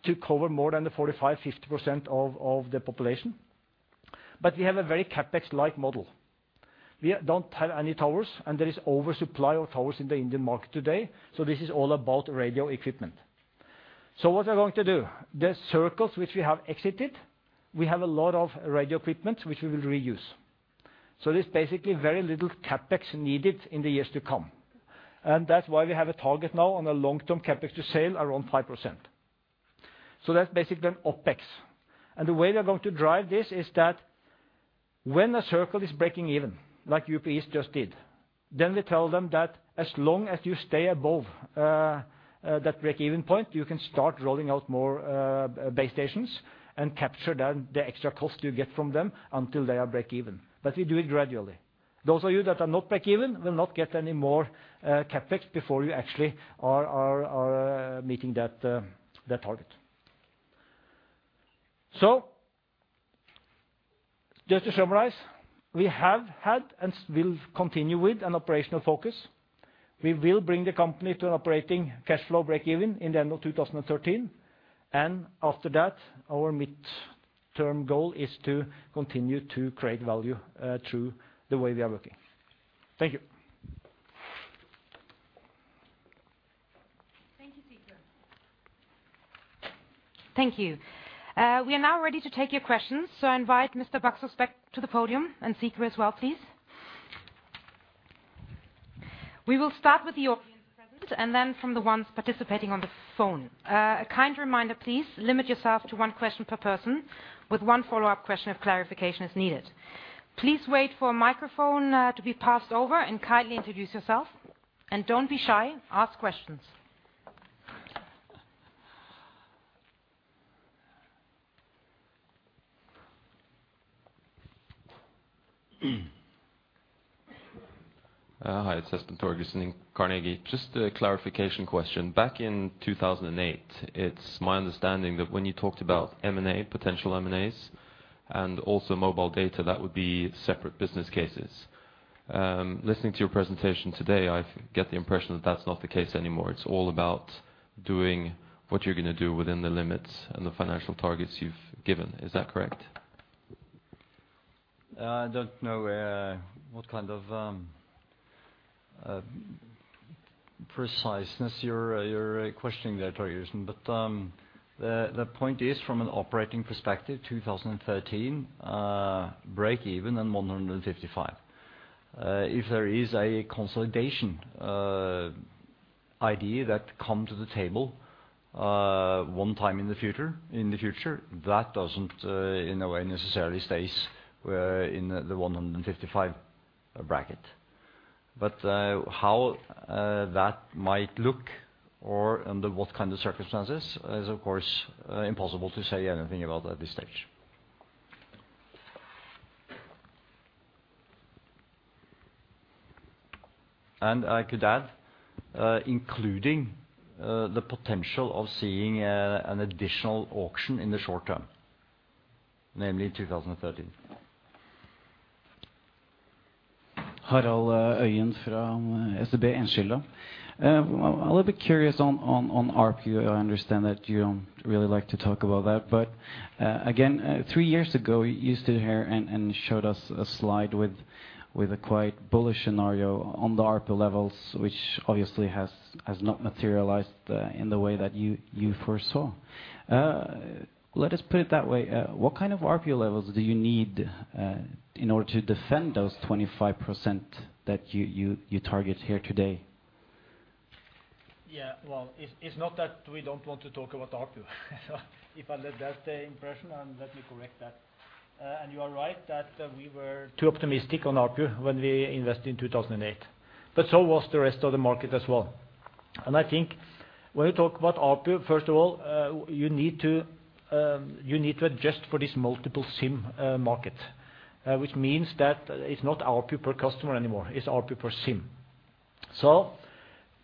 to cover more than 45%-50% of the population, but we have a very CapEx-like model. We don't have any towers, and there is oversupply of towers in the Indian market today, so this is all about radio equipment. So what we're going to do? The circles which we have exited, we have a lot of radio equipment which we will reuse. So there's basically very little CapEx needed in the years to come, and that's why we have a target now on a long-term CapEx to sales around 5%. So that's basically an OpEx. The way we are going to drive this is that when a circle is breaking even, like UP East just did, then we tell them that as long as you stay above that breakeven point, you can start rolling out more base stations and capture down the extra cost you get from them until they are breakeven, but we do it gradually. Those of you that are not breakeven will not get any more CapEx before you actually are meeting that target. So just to summarize, we have had and will continue with an operational focus. We will bring the company to an operating cash flow breakeven in the end of 2013, and after that, our midterm goal is to continue to create value through the way we are working. Thank you. Thank you, Sigve. Thank you. We are now ready to take your questions, so I invite Mr. Baksaas back to the podium and Sigve as well, please. We will start with the audience present and then from the ones participating on the phone. A kind reminder, please limit yourself to one question per person, with one follow-up question if clarification is needed. Please wait for a microphone to be passed over, and kindly introduce yourself, and don't be shy, ask questions. Hi, it's Espen Torgersen in Carnegie. Just a clarification question. Back in 2008, it's my understanding that when you talked about M&A, potential M&As, and also mobile data, that would be separate business cases. Listening to your presentation today, I get the impression that that's not the case anymore. It's all about doing what you're gonna do within the limits and the financial targets you've given. Is that correct? I don't know what kind of preciseness you're questioning there, Torgersen. But the point is, from an operating perspective, 2013 break even and 155 billion. If there is a consolidation idea that come to the table one time in the future, in the future, that doesn't in a way necessarily stays in the 155 billion bracket. But how that might look or under what kind of circumstances is, of course, impossible to say anything about at this stage. And I could add, including the potential of seeing an additional auction in the short term, namely 2013. Harald Øyen from SEB Enskilda. I'm a little bit curious on ARPU. I understand that you don't really like to talk about that. But, again, three years ago, you stood here and showed us a slide with a quite bullish scenario on the ARPU levels, which obviously has not materialized in the way that you foresaw. Let us put it that way, what kind of ARPU levels do you need in order to defend those 25% that you target here today? Yeah, well, it's not that we don't want to talk about ARPU. So if I left that impression, then let me correct that. And you are right that we were too optimistic on ARPU when we invested in 2008, but so was the rest of the market as well. And I think when you talk about ARPU, first of all, you need to adjust for this multiple SIM market. Which means that it's not ARPU per customer anymore, it's ARPU per SIM. So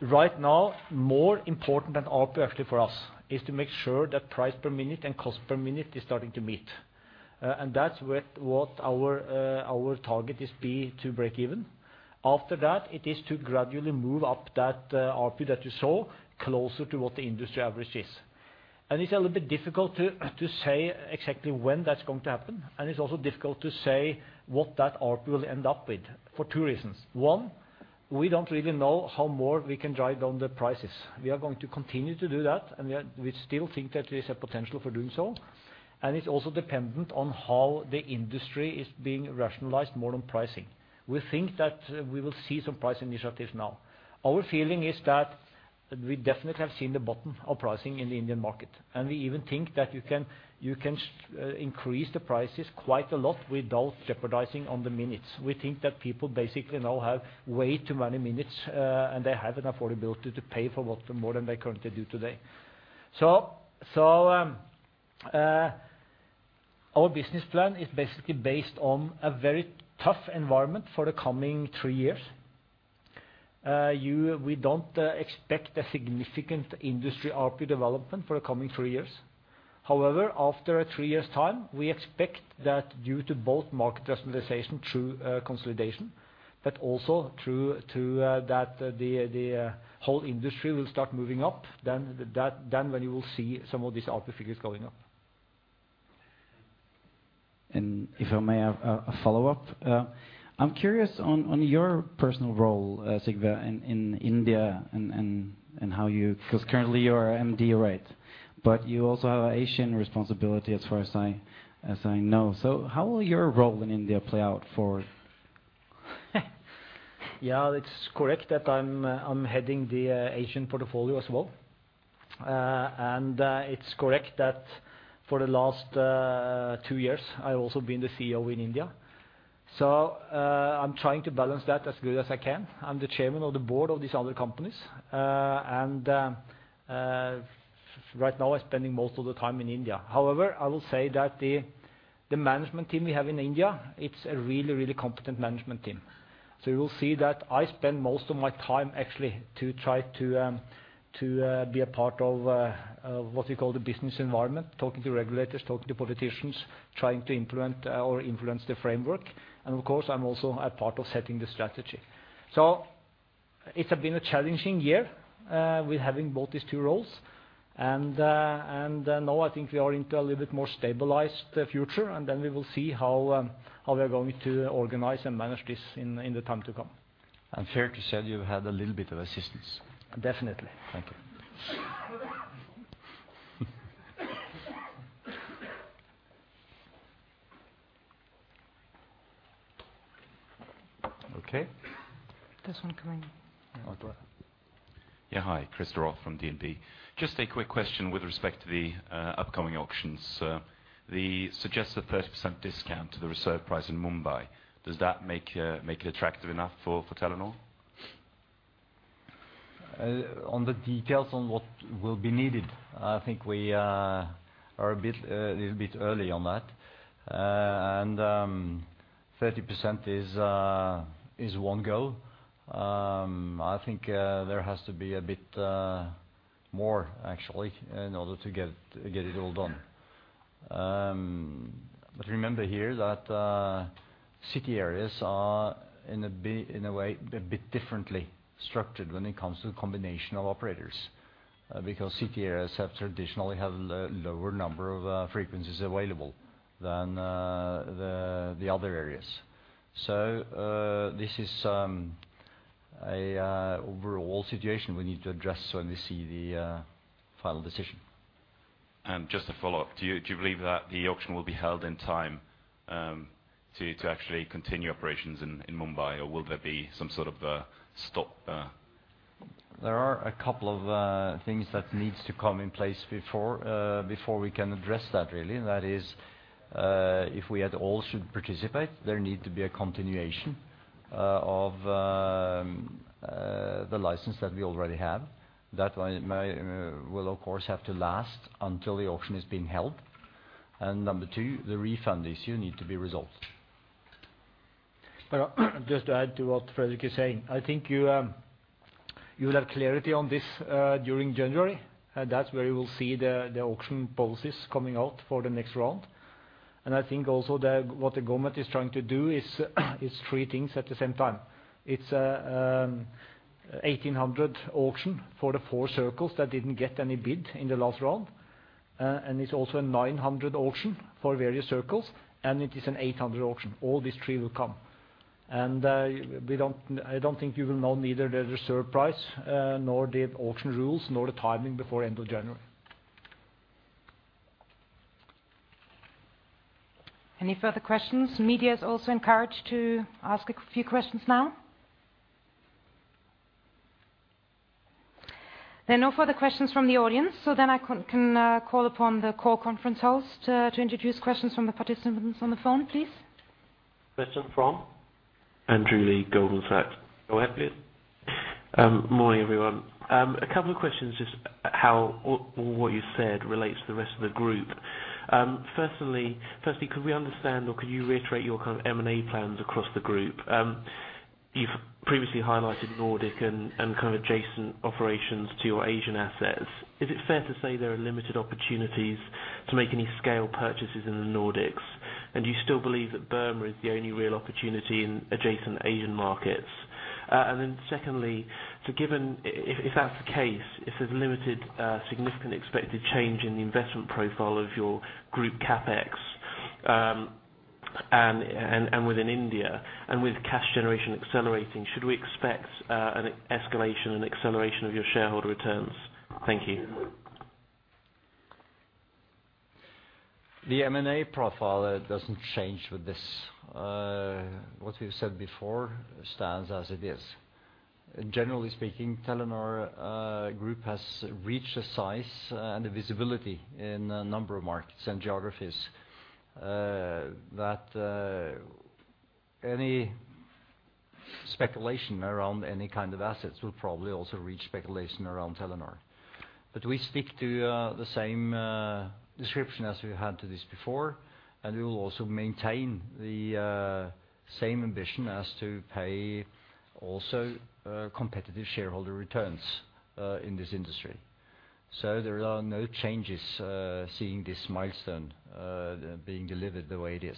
right now, more important than ARPU, actually, for us, is to make sure that price per minute and cost per minute is starting to meet. And that's what our target is: to break even. After that, it is to gradually move up that ARPU that you saw closer to what the industry average is. It's a little bit difficult to say exactly when that's going to happen, and it's also difficult to say what that ARPU will end up with, for two reasons. One, we don't really know how more we can drive down the prices. We are going to continue to do that, and we still think that there's a potential for doing so, and it's also dependent on how the industry is being rationalized more on pricing. We think that we will see some price initiatives now. Our feeling is that we definitely have seen the bottom of pricing in the Indian market, and we even think that you can increase the prices quite a lot without jeopardizing on the minutes. We think that people basically now have way too many minutes, and they have an affordability to pay for what, more than they currently do today. So, our business plan is basically based on a very tough environment for the coming three years. We don't expect a significant industry ARPU development for the coming three years. However, after three years' time, we expect that due to both market rationalization through consolidation, but also through that the whole industry will start moving up, then when you will see some of these ARPU figures going up. If I may have a follow-up. I'm curious on your personal role, Sigve, in India and how you, 'cause currently you are MD, right? But you also have an Asian responsibility, as far as I know. So how will your role in India play out for? Yeah, it's correct that I'm heading the Asian portfolio as well. And it's correct that for the last two years, I've also been the CEO in India. So I'm trying to balance that as good as I can. I'm the Chairman of the board of these other companies. And right now, I'm spending most of the time in India. However, I will say that the management team we have in India, it's a really, really competent management team. So you will see that I spend most of my time actually to try to be a part of what you call the business environment, talking to regulators, talking to politicians, trying to implement or influence the framework, and of course, I'm also a part of setting the strategy. So it has been a challenging year with having both these two roles, and now I think we are into a little bit more stabilized future, and then we will see how we are going to organize and manage this in the time to come. Fair to say, you've had a little bit of assistance. Definitely. Thank you. Okay. There's one coming. Oh, go ahead. Yeah, hi. Christer Roth from DNB. Just a quick question with respect to the upcoming auctions. The suggested 30% discount to the reserve price in Mumbai, does that make it attractive enough for Telenor? On the details on what will be needed, I think we are a bit, a little bit early on that. And, 30% is one goal. I think there has to be a bit more actually, in order to get, to get it all done. But remember here that city areas are in a way a bit differently structured when it comes to the combination of operators. Because city areas have traditionally lower number of frequencies available than the other areas. So, this is an overall situation we need to address when we see the final decision. Just to follow up, do you believe that the auction will be held in time to actually continue operations in Mumbai? Or will there be some sort of stop? There are a couple of things that needs to come in place before we can address that really. And that is, if we had all should participate, there need to be a continuation of the license that we already have. That one may will, of course, have to last until the auction is being held. And number two, the refund issue need to be resolved. Well, just to add to what Fredrik is saying. I think you will have clarity on this during January, and that's where you will see the auction policies coming out for the next round. I think also what the government is trying to do is three things at the same time. It's 1800 auction for the four circles that didn't get any bid in the last round. And it's also a 900 auction for various circles, and it is an 800 auction. All these three will come. And I don't think you will know neither the reserve price nor the auction rules, nor the timing before end of January. Any further questions? The media is also encouraged to ask a few questions now. There are no further questions from the audience, so then I can call upon the call conference host to introduce questions from the participants on the phone, please. Question from? Andrew Lee, Goldman Sachs. Go ahead, please. Morning, everyone. A couple of questions, just how or what you said relates to the rest of the group. Firstly, could we understand or could you reiterate your kind of M&A plans across the group? You've previously highlighted Nordic and kind of adjacent operations to your Asian assets. Is it fair to say there are limited opportunities to make any scale purchases in the Nordics? And do you still believe that Burma is the only real opportunity in adjacent Asian markets? And then secondly, given if that's the case, if there's limited significant expected change in the investment profile of your group CapEx, and within India, and with cash generation accelerating, should we expect an escalation and acceleration of your shareholder returns? Thank you. The M&A profile doesn't change with this. What we've said before stands as it is. Generally speaking, Telenor Group has reached a size and a visibility in a number of markets and geographies that any speculation around any kind of assets will probably also reach speculation around Telenor. But we stick to the same description as we had to this before, and we will also maintain the same ambition as to pay also competitive shareholder returns in this industry. So there are no changes seeing this milestone being delivered the way it is.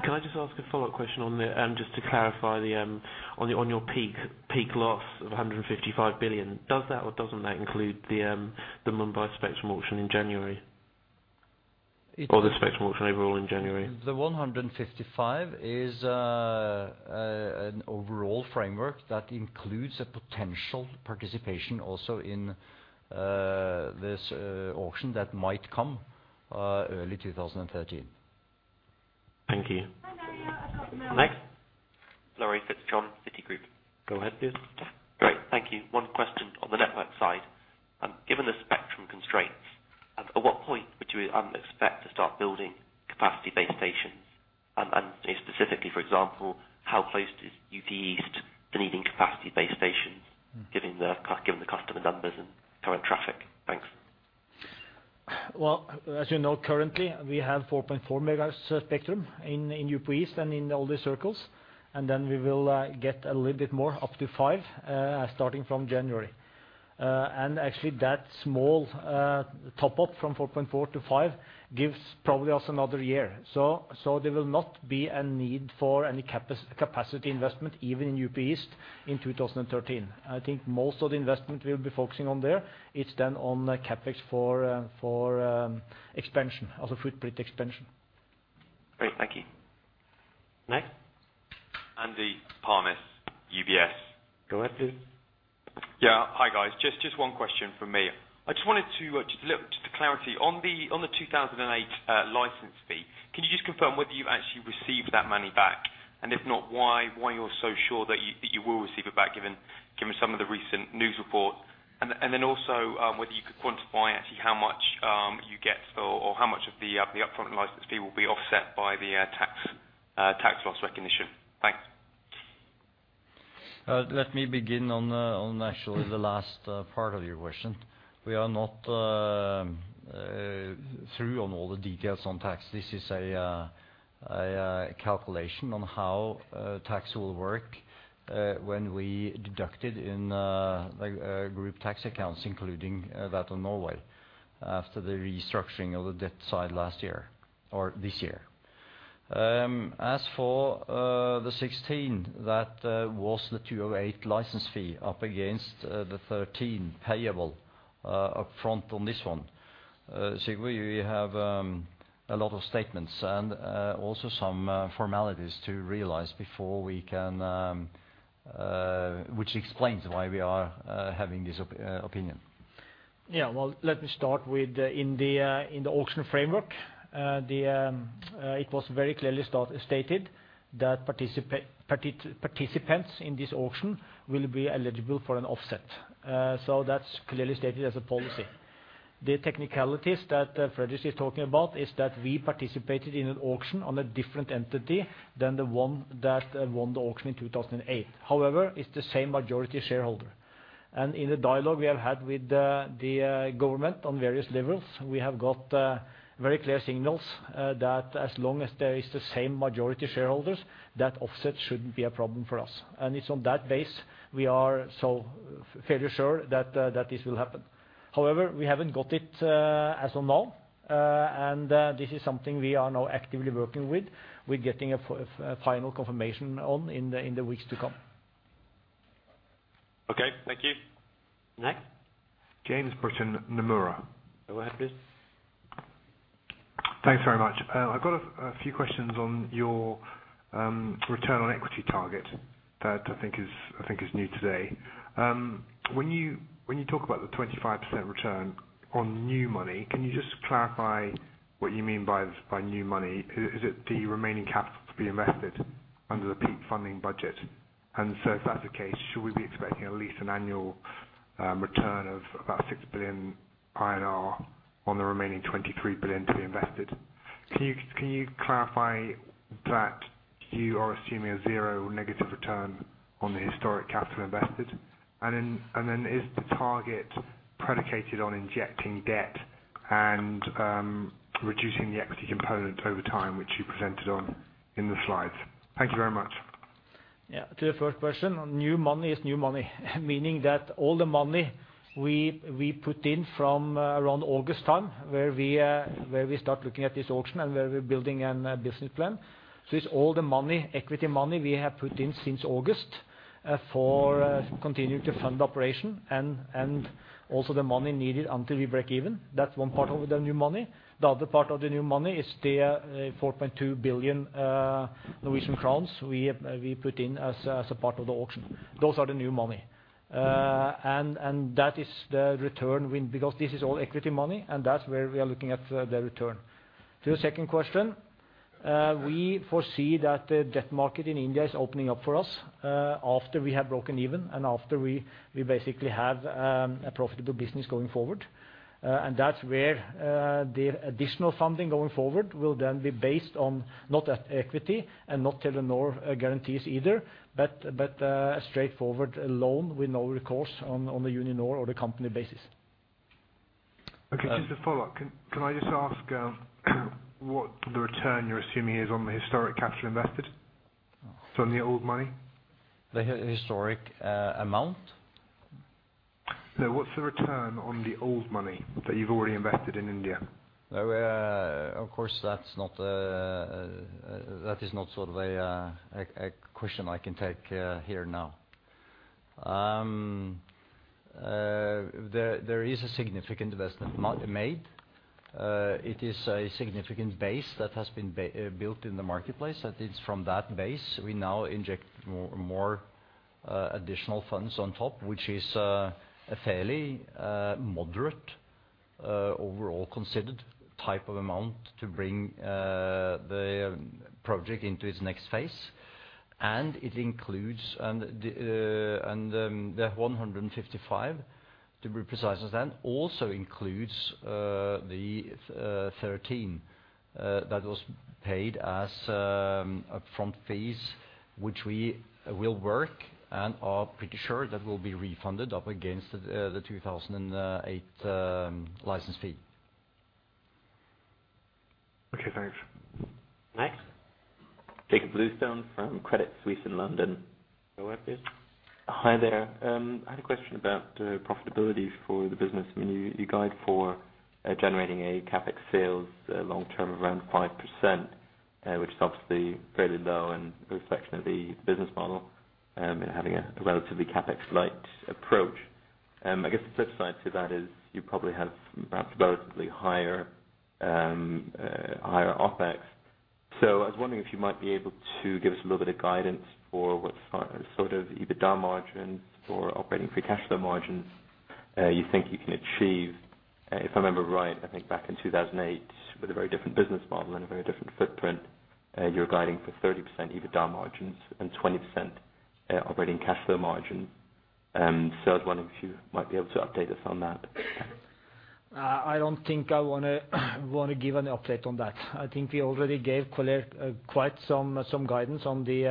Can I just ask a follow-up question on the just to clarify the on the on your peak peak loss of 155 billion? Does that or doesn't that include the the Mumbai Spectrum auction in January or the Spectrum auction overall in January? The 155 billion is an overall framework that includes a potential participation also in this auction that might come early 2013. Thank you. Now we have another, Next. Laurie Fitzjohn, Citigroup. Go ahead, please. Great. Thank you. One question on the network side. Given the Spectrum constraints, at what point would you expect to start building capacity-based stations? And specifically, for example, how close is UP East needing capacity-based stations, given the customer numbers and current traffic? Thanks. Well, as you know, currently, we have 4.4 MHz Spectrum in UP East and in all the circles, and then we will get a little bit more up to 5 MHz starting from January. And actually that small top up from 4.4 MHz to 5 MHz gives probably us another year. So there will not be a need for any capacity investment, even in UP East in 2013. I think most of the investment we'll be focusing on there, it's then on CapEx for expansion, also footprint expansion. Great, thank you. Next. Andy Palmer, UBS. Go ahead, please. Yeah. Hi, guys. Just one question from me. I just wanted to, just a little clarity. On the 2008 license fee, can you just confirm whether you've actually received that money back? And if not, why you're so sure that you will receive it back, given certain news report. And then also, whether you could quantify actually how much you get or how much of the upfront license fee will be offset by the tax loss recognition? Thanks. Let me begin on actually the last part of your question. We are not through on all the details on tax. This is a calculation on how tax will work when we deducted in like group tax accounts, including that on Norway, after the restructuring of the debt side last year or this year. As for the 16, that was the 2008 license fee up against the 13 payable upfront on this one. Sigve, we have a lot of statements and also some formalities to realize before we can, which explains why we are having this opinion. Yeah. Well, let me start with, in the auction framework, it was very clearly stated that participants in this auction will be eligible for an offset. So that's clearly stated as a policy. The technicalities that Fredrik is talking about is that we participated in an auction on a different entity than the one that won the auction in 2008. However, it's the same majority shareholder. And in the dialogue we have had with the government on various levels, we have got very clear signals that as long as there is the same majority shareholders, that offset shouldn't be a problem for us. And it's on that basis, we are so fairly sure that this will happen. However, we haven't got it, as of now, and this is something we are now actively working with. We're getting a final confirmation in the weeks to come. Okay. Thank you. Next? James Britton, Nomura. Go ahead, please. Thanks very much. I've got a few questions on your return on equity target that I think is new today. When you talk about the 25% return on new money, can you just clarify what you mean by new money? Is it the remaining capital to be invested under the peak funding budget? And so if that's the case, should we be expecting at least an annual return of about 6 billion INR on the remaining 23 billion to be invested? Can you clarify that you are assuming a zero negative return on the historic capital invested? And then is the target predicated on injecting debt and reducing the equity component over time, which you presented on in the slides? Thank you very much. Yeah. To the first question, new money is new money, meaning that all the money we, we put in from around August time, where we, where we start looking at this auction and where we're building an, business plan. So it's all the money, equity money we have put in since August, for continuing to fund operation and, and also the money needed until we break even. That's one part of the new money. The other part of the new money is the 4.2 billion Norwegian crowns we put in as, as a part of the auction. Those are the new money. And, and that is the return win, because this is all equity money, and that's where we are looking at, the return. To the second question, we foresee that the debt market in India is opening up for us, after we have broken even and after we basically have a profitable business going forward. And that's where the additional funding going forward will then be based on not at equity and not Telenor guarantees either, but a straightforward loan with no recourse on the Uninor or the company basis. Okay, just a follow-up. Can I just ask what the return you're assuming is on the historic capital invested from the old money? The historic amount? No, what's the return on the old money that you've already invested in India? Of course, that's not, that is not sort of a question I can take here now. There is a significant investment made. It is a significant base that has been built in the marketplace. That is from that base, we now inject more additional funds on top, which is a fairly moderate overall considered type of amount to bring the project into its next phase. And it includes, And the 155 billion, to be precise, then also includes the 13 billion that was paid as upfront fees, which we will work and are pretty sure that will be refunded up against the 2008 license fee. Okay, thanks. Next? Jakob Bluestone from Credit Suisse in London. Go ahead, please. Hi there. I had a question about profitability for the business. I mean, you guide for generating a CapEx sales long term around 5%, which is obviously fairly low, and a reflection of the business model and having a relatively CapEx-light approach. I guess the flip side to that is you probably have perhaps relatively higher OpEx. So I was wondering if you might be able to give us a little bit of guidance for what sort of EBITDA margins or operating free cash flow margins you think you can achieve, if I remember right, I think back in 2008, with a very different business model and a very different footprint, you were guiding for 30% EBITDA margins and 20% operating cash flow margin. I was wondering if you might be able to update us on that? I don't think I wanna give any update on that. I think we already gave quite some guidance on the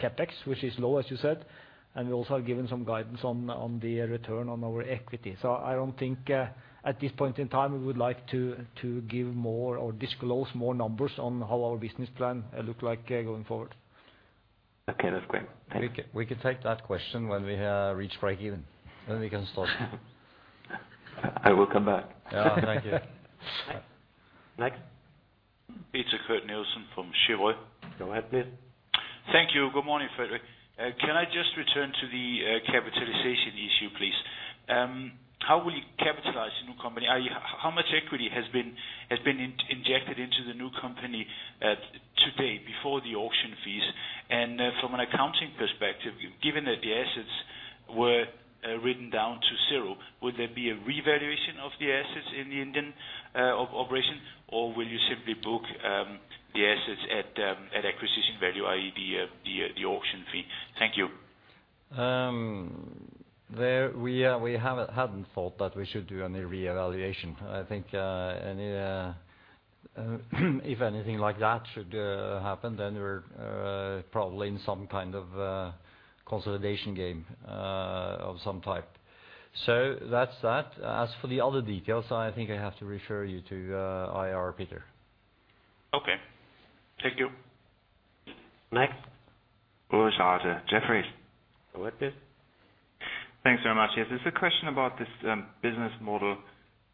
CapEx, which is low, as you said, and we also have given some guidance on the return on our equity. So I don't think at this point in time, we would like to give more or disclose more numbers on how our business plan look like going forward. Okay, that's great. Thank you. We can, we can take that question when we have reached breakeven, then we can start. I will come back. Yeah, thank you. Next? Peter-Kurt Nielsen from Cheuvreux. Go ahead, please. Thank you. Good morning, Fredrik. Can I just return to the capitalization issue, please? How will you capitalize the new company? How much equity has been injected into the new company to date, before the auction fees? And from an accounting perspective, given that the assets were written down to zero, would there be a revaluation of the assets in the Indian operation? Or will you simply book the assets at acquisition value, i.e., the auction fee? Thank you. There, we are, we haven't, hadn't thought that we should do any reevaluation. I think, any, if anything like that should happen, then we're probably in some kind of a consolidation game of some type. So that's that. As for the other details, I think I have to refer you to IR, Peter. Okay. Thank you. Next. Ulrich Rathe, Jefferies. Go ahead, please. Thanks very much. Yes, it's a question about this business model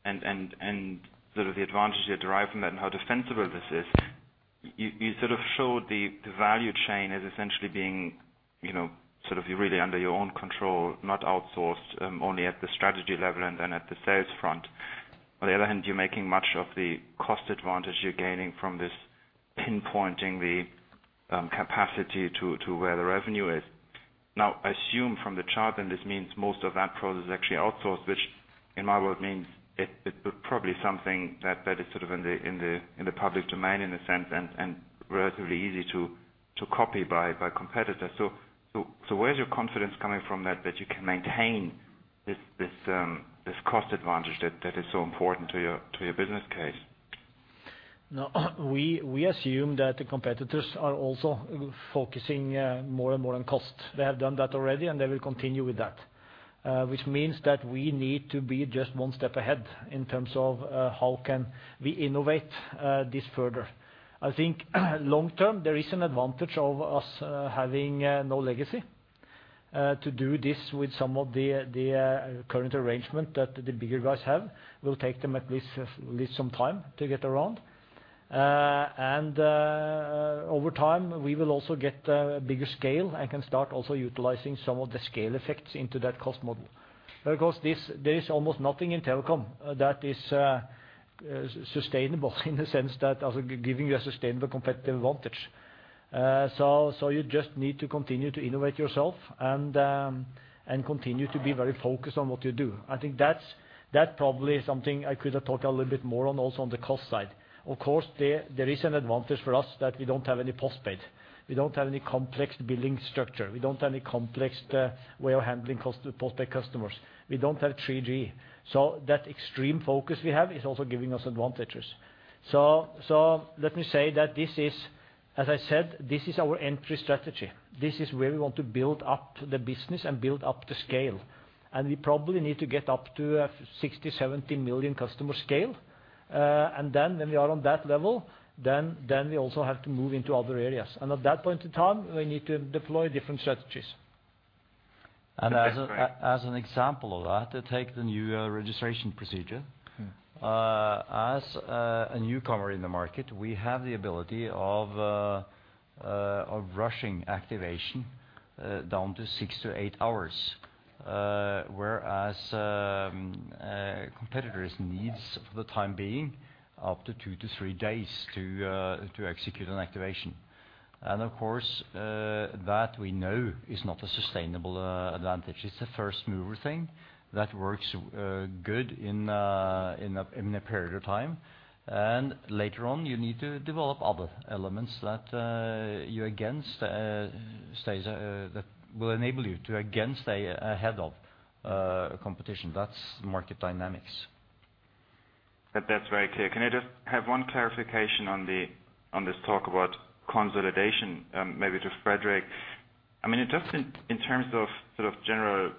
and sort of the advantage you derive from that and how defensible this is. You sort of showed the value chain as essentially being, you know, sort of really under your own control, not outsourced, only at the strategy level and then at the sales front. On the other hand, you're making much of the cost advantage you're gaining from this, pinpointing the capacity to where the revenue is. Now, I assume from the chart, then this means most of that process is actually outsourced, which in my world means it's probably something that is sort of in the public domain, in a sense, and relatively easy to copy by competitors. So, where's your confidence coming from that you can maintain this cost advantage that is so important to your business case? Now, we assume that the competitors are also focusing, more and more on cost. They have done that already, and they will continue with that. Which means that we need to be just one step ahead in terms of, how can we innovate, this further. I think, long term, there is an advantage of us, having, no legacy. To do this with some of the current arrangement that the bigger guys have, will take them at least some time to get around. And, over time, we will also get a bigger scale and can start also utilizing some of the scale effects into that cost model. Because this, there is almost nothing in telecom that is, sustainable in the sense that as giving you a sustainable competitive advantage. So, so you just need to continue to innovate yourself and, and continue to be very focused on what you do. I think that's, that probably is something I could have talked a little bit more on, also on the cost side. Of course, there is an advantage for us that we don't have any postpaid. We don't have any complex billing structure. We don't have any complex, way of handling cost, postpaid customers. We don't have 3G. So that extreme focus we have is also giving us advantages. So, so let me say that this is, as I said, this is our entry strategy. This is where we want to build up the business and build up the scale. And we probably need to get up to a 60 million-70 million customer scale. And then, when we are on that level, then we also have to move into other areas. At that point in time, we need to deploy different strategies. And as an example of that, to take the new registration procedure. As a newcomer in the market, we have the ability of rushing activation down to six to eight hours. Whereas competitors needs, for the time being, up to two to three days to execute an activation. And of course, that we know is not a sustainable advantage. It's a first mover thing that works good in a period of time. And later on, you need to develop other elements that you're against stays, that will enable you to again stay ahead of competition. That's market dynamics. That, that's very clear. Can I just have one clarification on this talk about consolidation? Maybe to Fredrik. I mean, just in terms of sort of general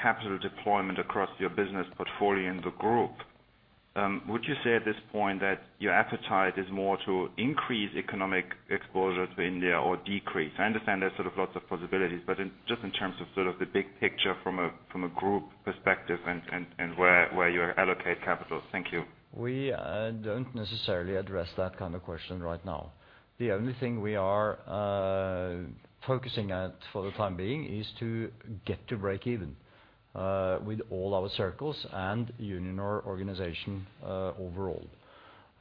capital deployment across your business portfolio in the group, would you say at this point that your appetite is more to increase economic exposure to India or decrease? I understand there's sort of lots of possibilities, but just in terms of sort of the big picture from a group perspective and where you allocate capital. Thank you. We don't necessarily address that kind of question right now. The only thing we are focusing at for the time being is to get to breakeven with all our circles and Uninor organization overall,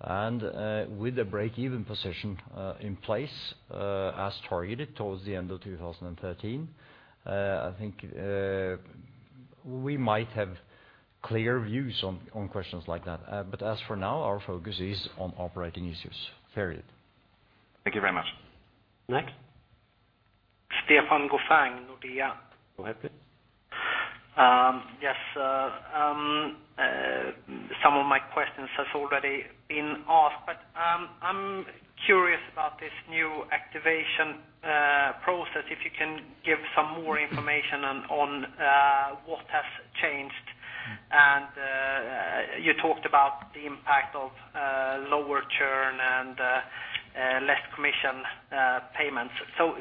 and with a break-even position in place as targeted towards the end of 2013, I think, we might have clear views on questions like that. But as for now, our focus is on operating issues, period. Thank you very much. Next? Stefan Gauffin, Nordea. Go ahead, please. Yes, some of my questions has already been asked, but I'm curious about this new activation process, if you can give some more information on what has changed. And you talked about the impact of lower churn and less commission payments. So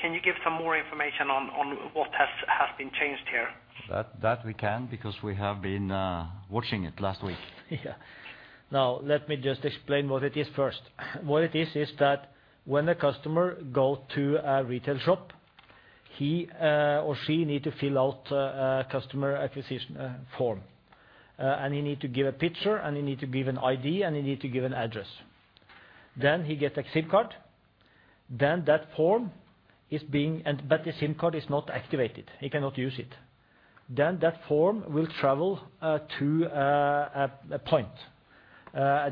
can you give some more information on what has been changed here? That we can, because we have been watching it last week. Now, let me just explain what it is first. What it is, is that when a customer go to a retail shop, he, or she need to fill out, a customer acquisition, form. And he need to give a picture, and he need to give an ID, and he need to give an address. Then he get a SIM card. Then that form, but the SIM card is not activated, he cannot use it. Then that form will travel to a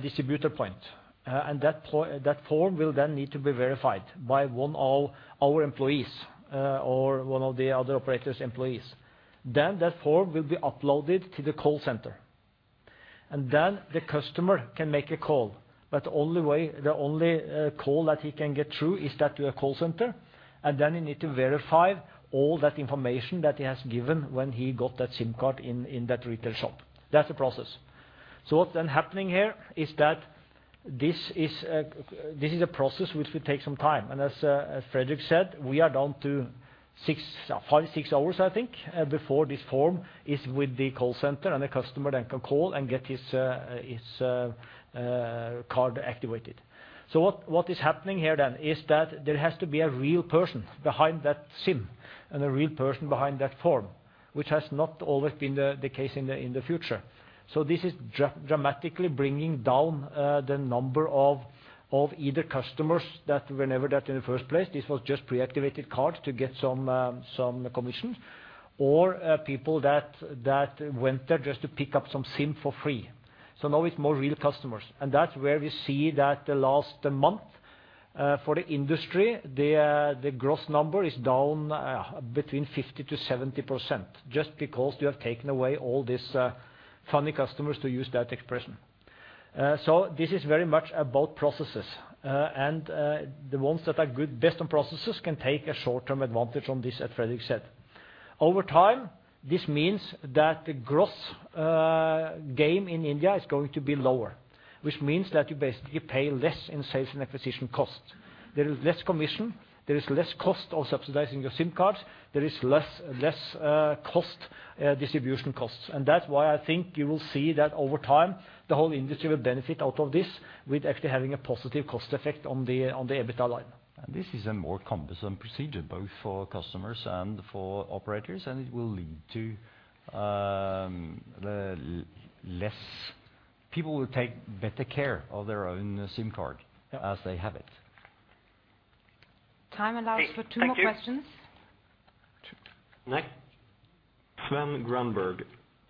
distributor point, and that form will then need to be verified by one of our employees, or one of the other operators' employees. Then that form will be uploaded to the call center, and then the customer can make a call. But the only call that he can get through is to a call center, and then he need to verify all that information that he has given when he got that SIM card in that retail shop. That's the process. So what's then happening here is that this is a process which will take some time, and as Fredrik said, we are down to five, six hours, I think, before this form is with the call center, and the customer then can call and get his card activated. So what is happening here then is that there has to be a real person behind that SIM and a real person behind that form, which has not always been the case in the future. So this is dramatically bringing down the number of either customers that were never there in the first place, this was just pre-activated cards to get some commission, or people that went there just to pick up some SIM for free. So now it's more real customers, and that's where we see that the last month for the industry, the gross number is down between 50%-70%, just because we have taken away all these funny customers, to use that expression. So this is very much about processes. And the ones that are best on processes can take a short-term advantage on this, as Fredrik said. Over time, this means that the gross game in India is going to be lower, which means that you basically pay less in sales and acquisition costs. There is less commission, there is less cost of subsidizing your SIM cards, there is less cost distribution costs. And that's why I think you will see that over time, the whole industry will benefit out of this, with actually having a positive cost effect on the EBITDA line. This is a more cumbersome procedure, both for customers and for operators, and it will lead to people will take better care of their own SIM card. Yeah As they have it. Time allows for two more questions. Thank you. Next. Sven Granberg,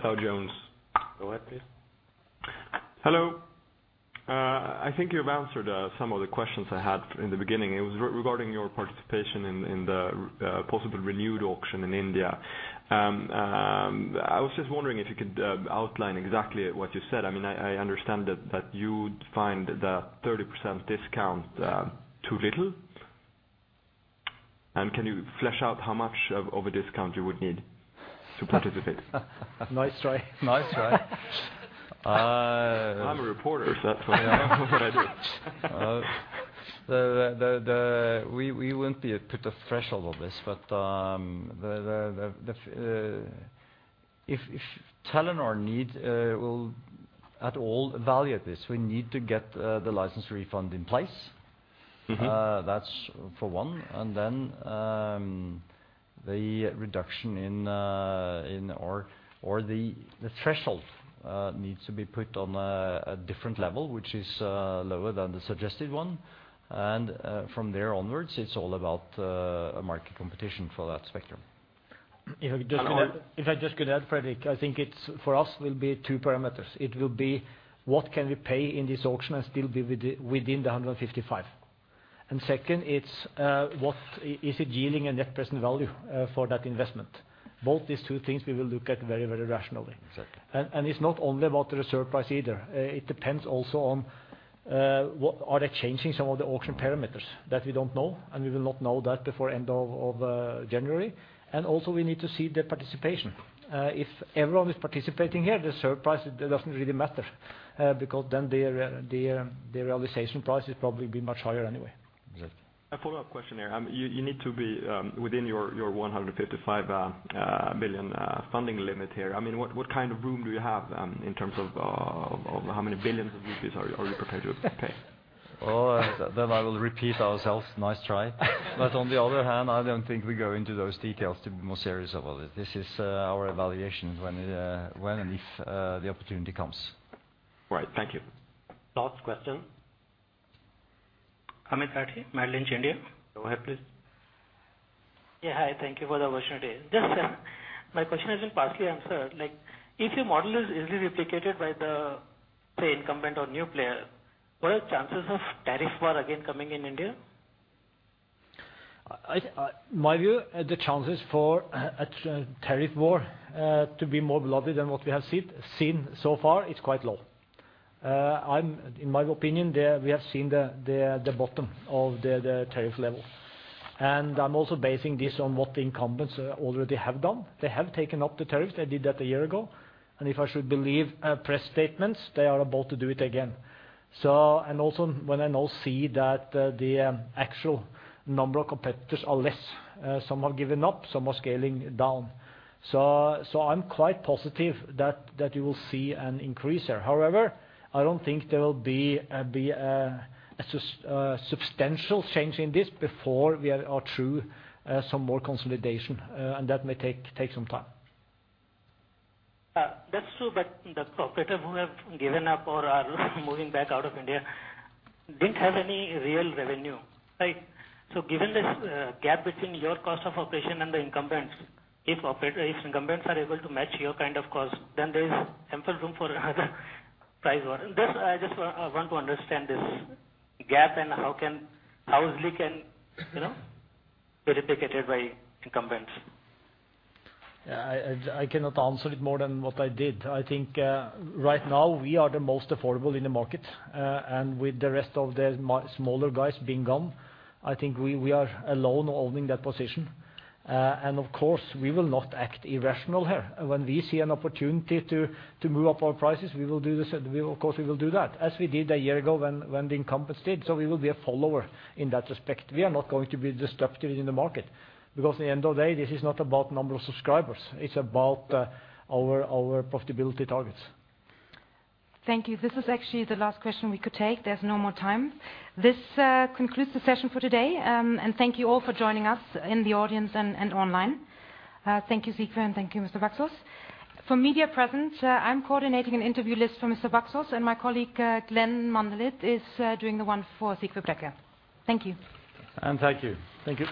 Dow Jones. Go ahead, please. Hello. I think you've answered some of the questions I had in the beginning. It was regarding your participation in the possible renewed auction in India. I was just wondering if you could outline exactly what you said. I mean, I understand that you'd find the 30% discount too little. And can you flesh out how much of a discount you would need to participate? Nice try. Nice try. I'm a reporter, so that's what I do. We wouldn't be put a threshold on this, but if Telenor need will at all value this, we need to get the license refund in place. That's for one. And then, the reduction in the threshold needs to be put on a different level, which is lower than the suggested one. And from there onwards, it's all about market competition for that Spectrum. If I just could add If I just could add, Fredrik, I think it, for us, will be two parameters. It will be, what can we pay in this auction and still be within the 155 billion? And second, it's, what is it yielding a net present value for that investment? Both these two things we will look at very, very rationally. Exactly. It's not only about the reserve price either. It depends also on what are they changing some of the auction parameters? That we don't know, and we will not know that before end of January. Also, we need to see the participation. If everyone is participating here, the reserve price it doesn't really matter, because then the realization price is probably be much higher anyway. Exactly. A follow-up question here. You, you need to be within your 155 billion funding limit here. I mean, what, what kind of room do you have in terms of how many billions of rupees are you, are you prepared to pay? Oh, then I will repeat ourselves. Nice try. But on the other hand, I don't think we go into those details to be more serious about it. This is our evaluation when, when and if, the opportunity comes. All right. Thank you. Last question. Amit Khatri, Mumbai, India, go ahead, please. Yeah, hi, thank you for the opportunity. Just, my question has been partially answered, like, if your model is easily replicated by the, say, incumbent or new player, what are the chances of tariff war again coming in India? In my view, the chances for a tariff war to be more bloody than what we have seen so far is quite low. In my opinion, there we have seen the bottom of the tariff level. And I'm also basing this on what the incumbents already have done. They have taken up the tariffs. They did that a year ago, and if I should believe press statements, they are about to do it again. So and also, when I now see that the actual number of competitors are less, some have given up, some are scaling down. So I'm quite positive that you will see an increase there. However, I don't think there will be a substantial change in this before we are through some more consolidation, and that may take some time. That's true, but the competitors who have given up or are moving back out of India didn't have any real revenue, right? So given this, gap between your cost of operation and the incumbents, if operators, if incumbents are able to match your kind of cost, then there is ample room for another price war. And this, I just, want to understand this gap and how easily can, you know, be replicated by incumbents? Yeah, I cannot answer it more than what I did. I think right now we are the most affordable in the market, and with the rest of the market. Smaller guys being gone, I think we are alone holding that position. And of course, we will not act irrational here. When we see an opportunity to move up our prices, we will do this, of course we will do that, as we did a year ago when the incumbents did. So we will be a follower in that respect. We are not going to be disruptive in the market, because at the end of the day, this is not about number of subscribers, it's about our profitability targets. Thank you. This is actually the last question we could take. There's no more time. This concludes the session for today. Thank you all for joining us in the audience and online. Thank you, Sigve, and thank you, Mr. Baksaas. For media present, I'm coordinating an interview list for Mr. Baksaas, and my colleague, Glenn Mandel, is doing the one for Sigve Brekke. Thank you. Thank you. Thank you.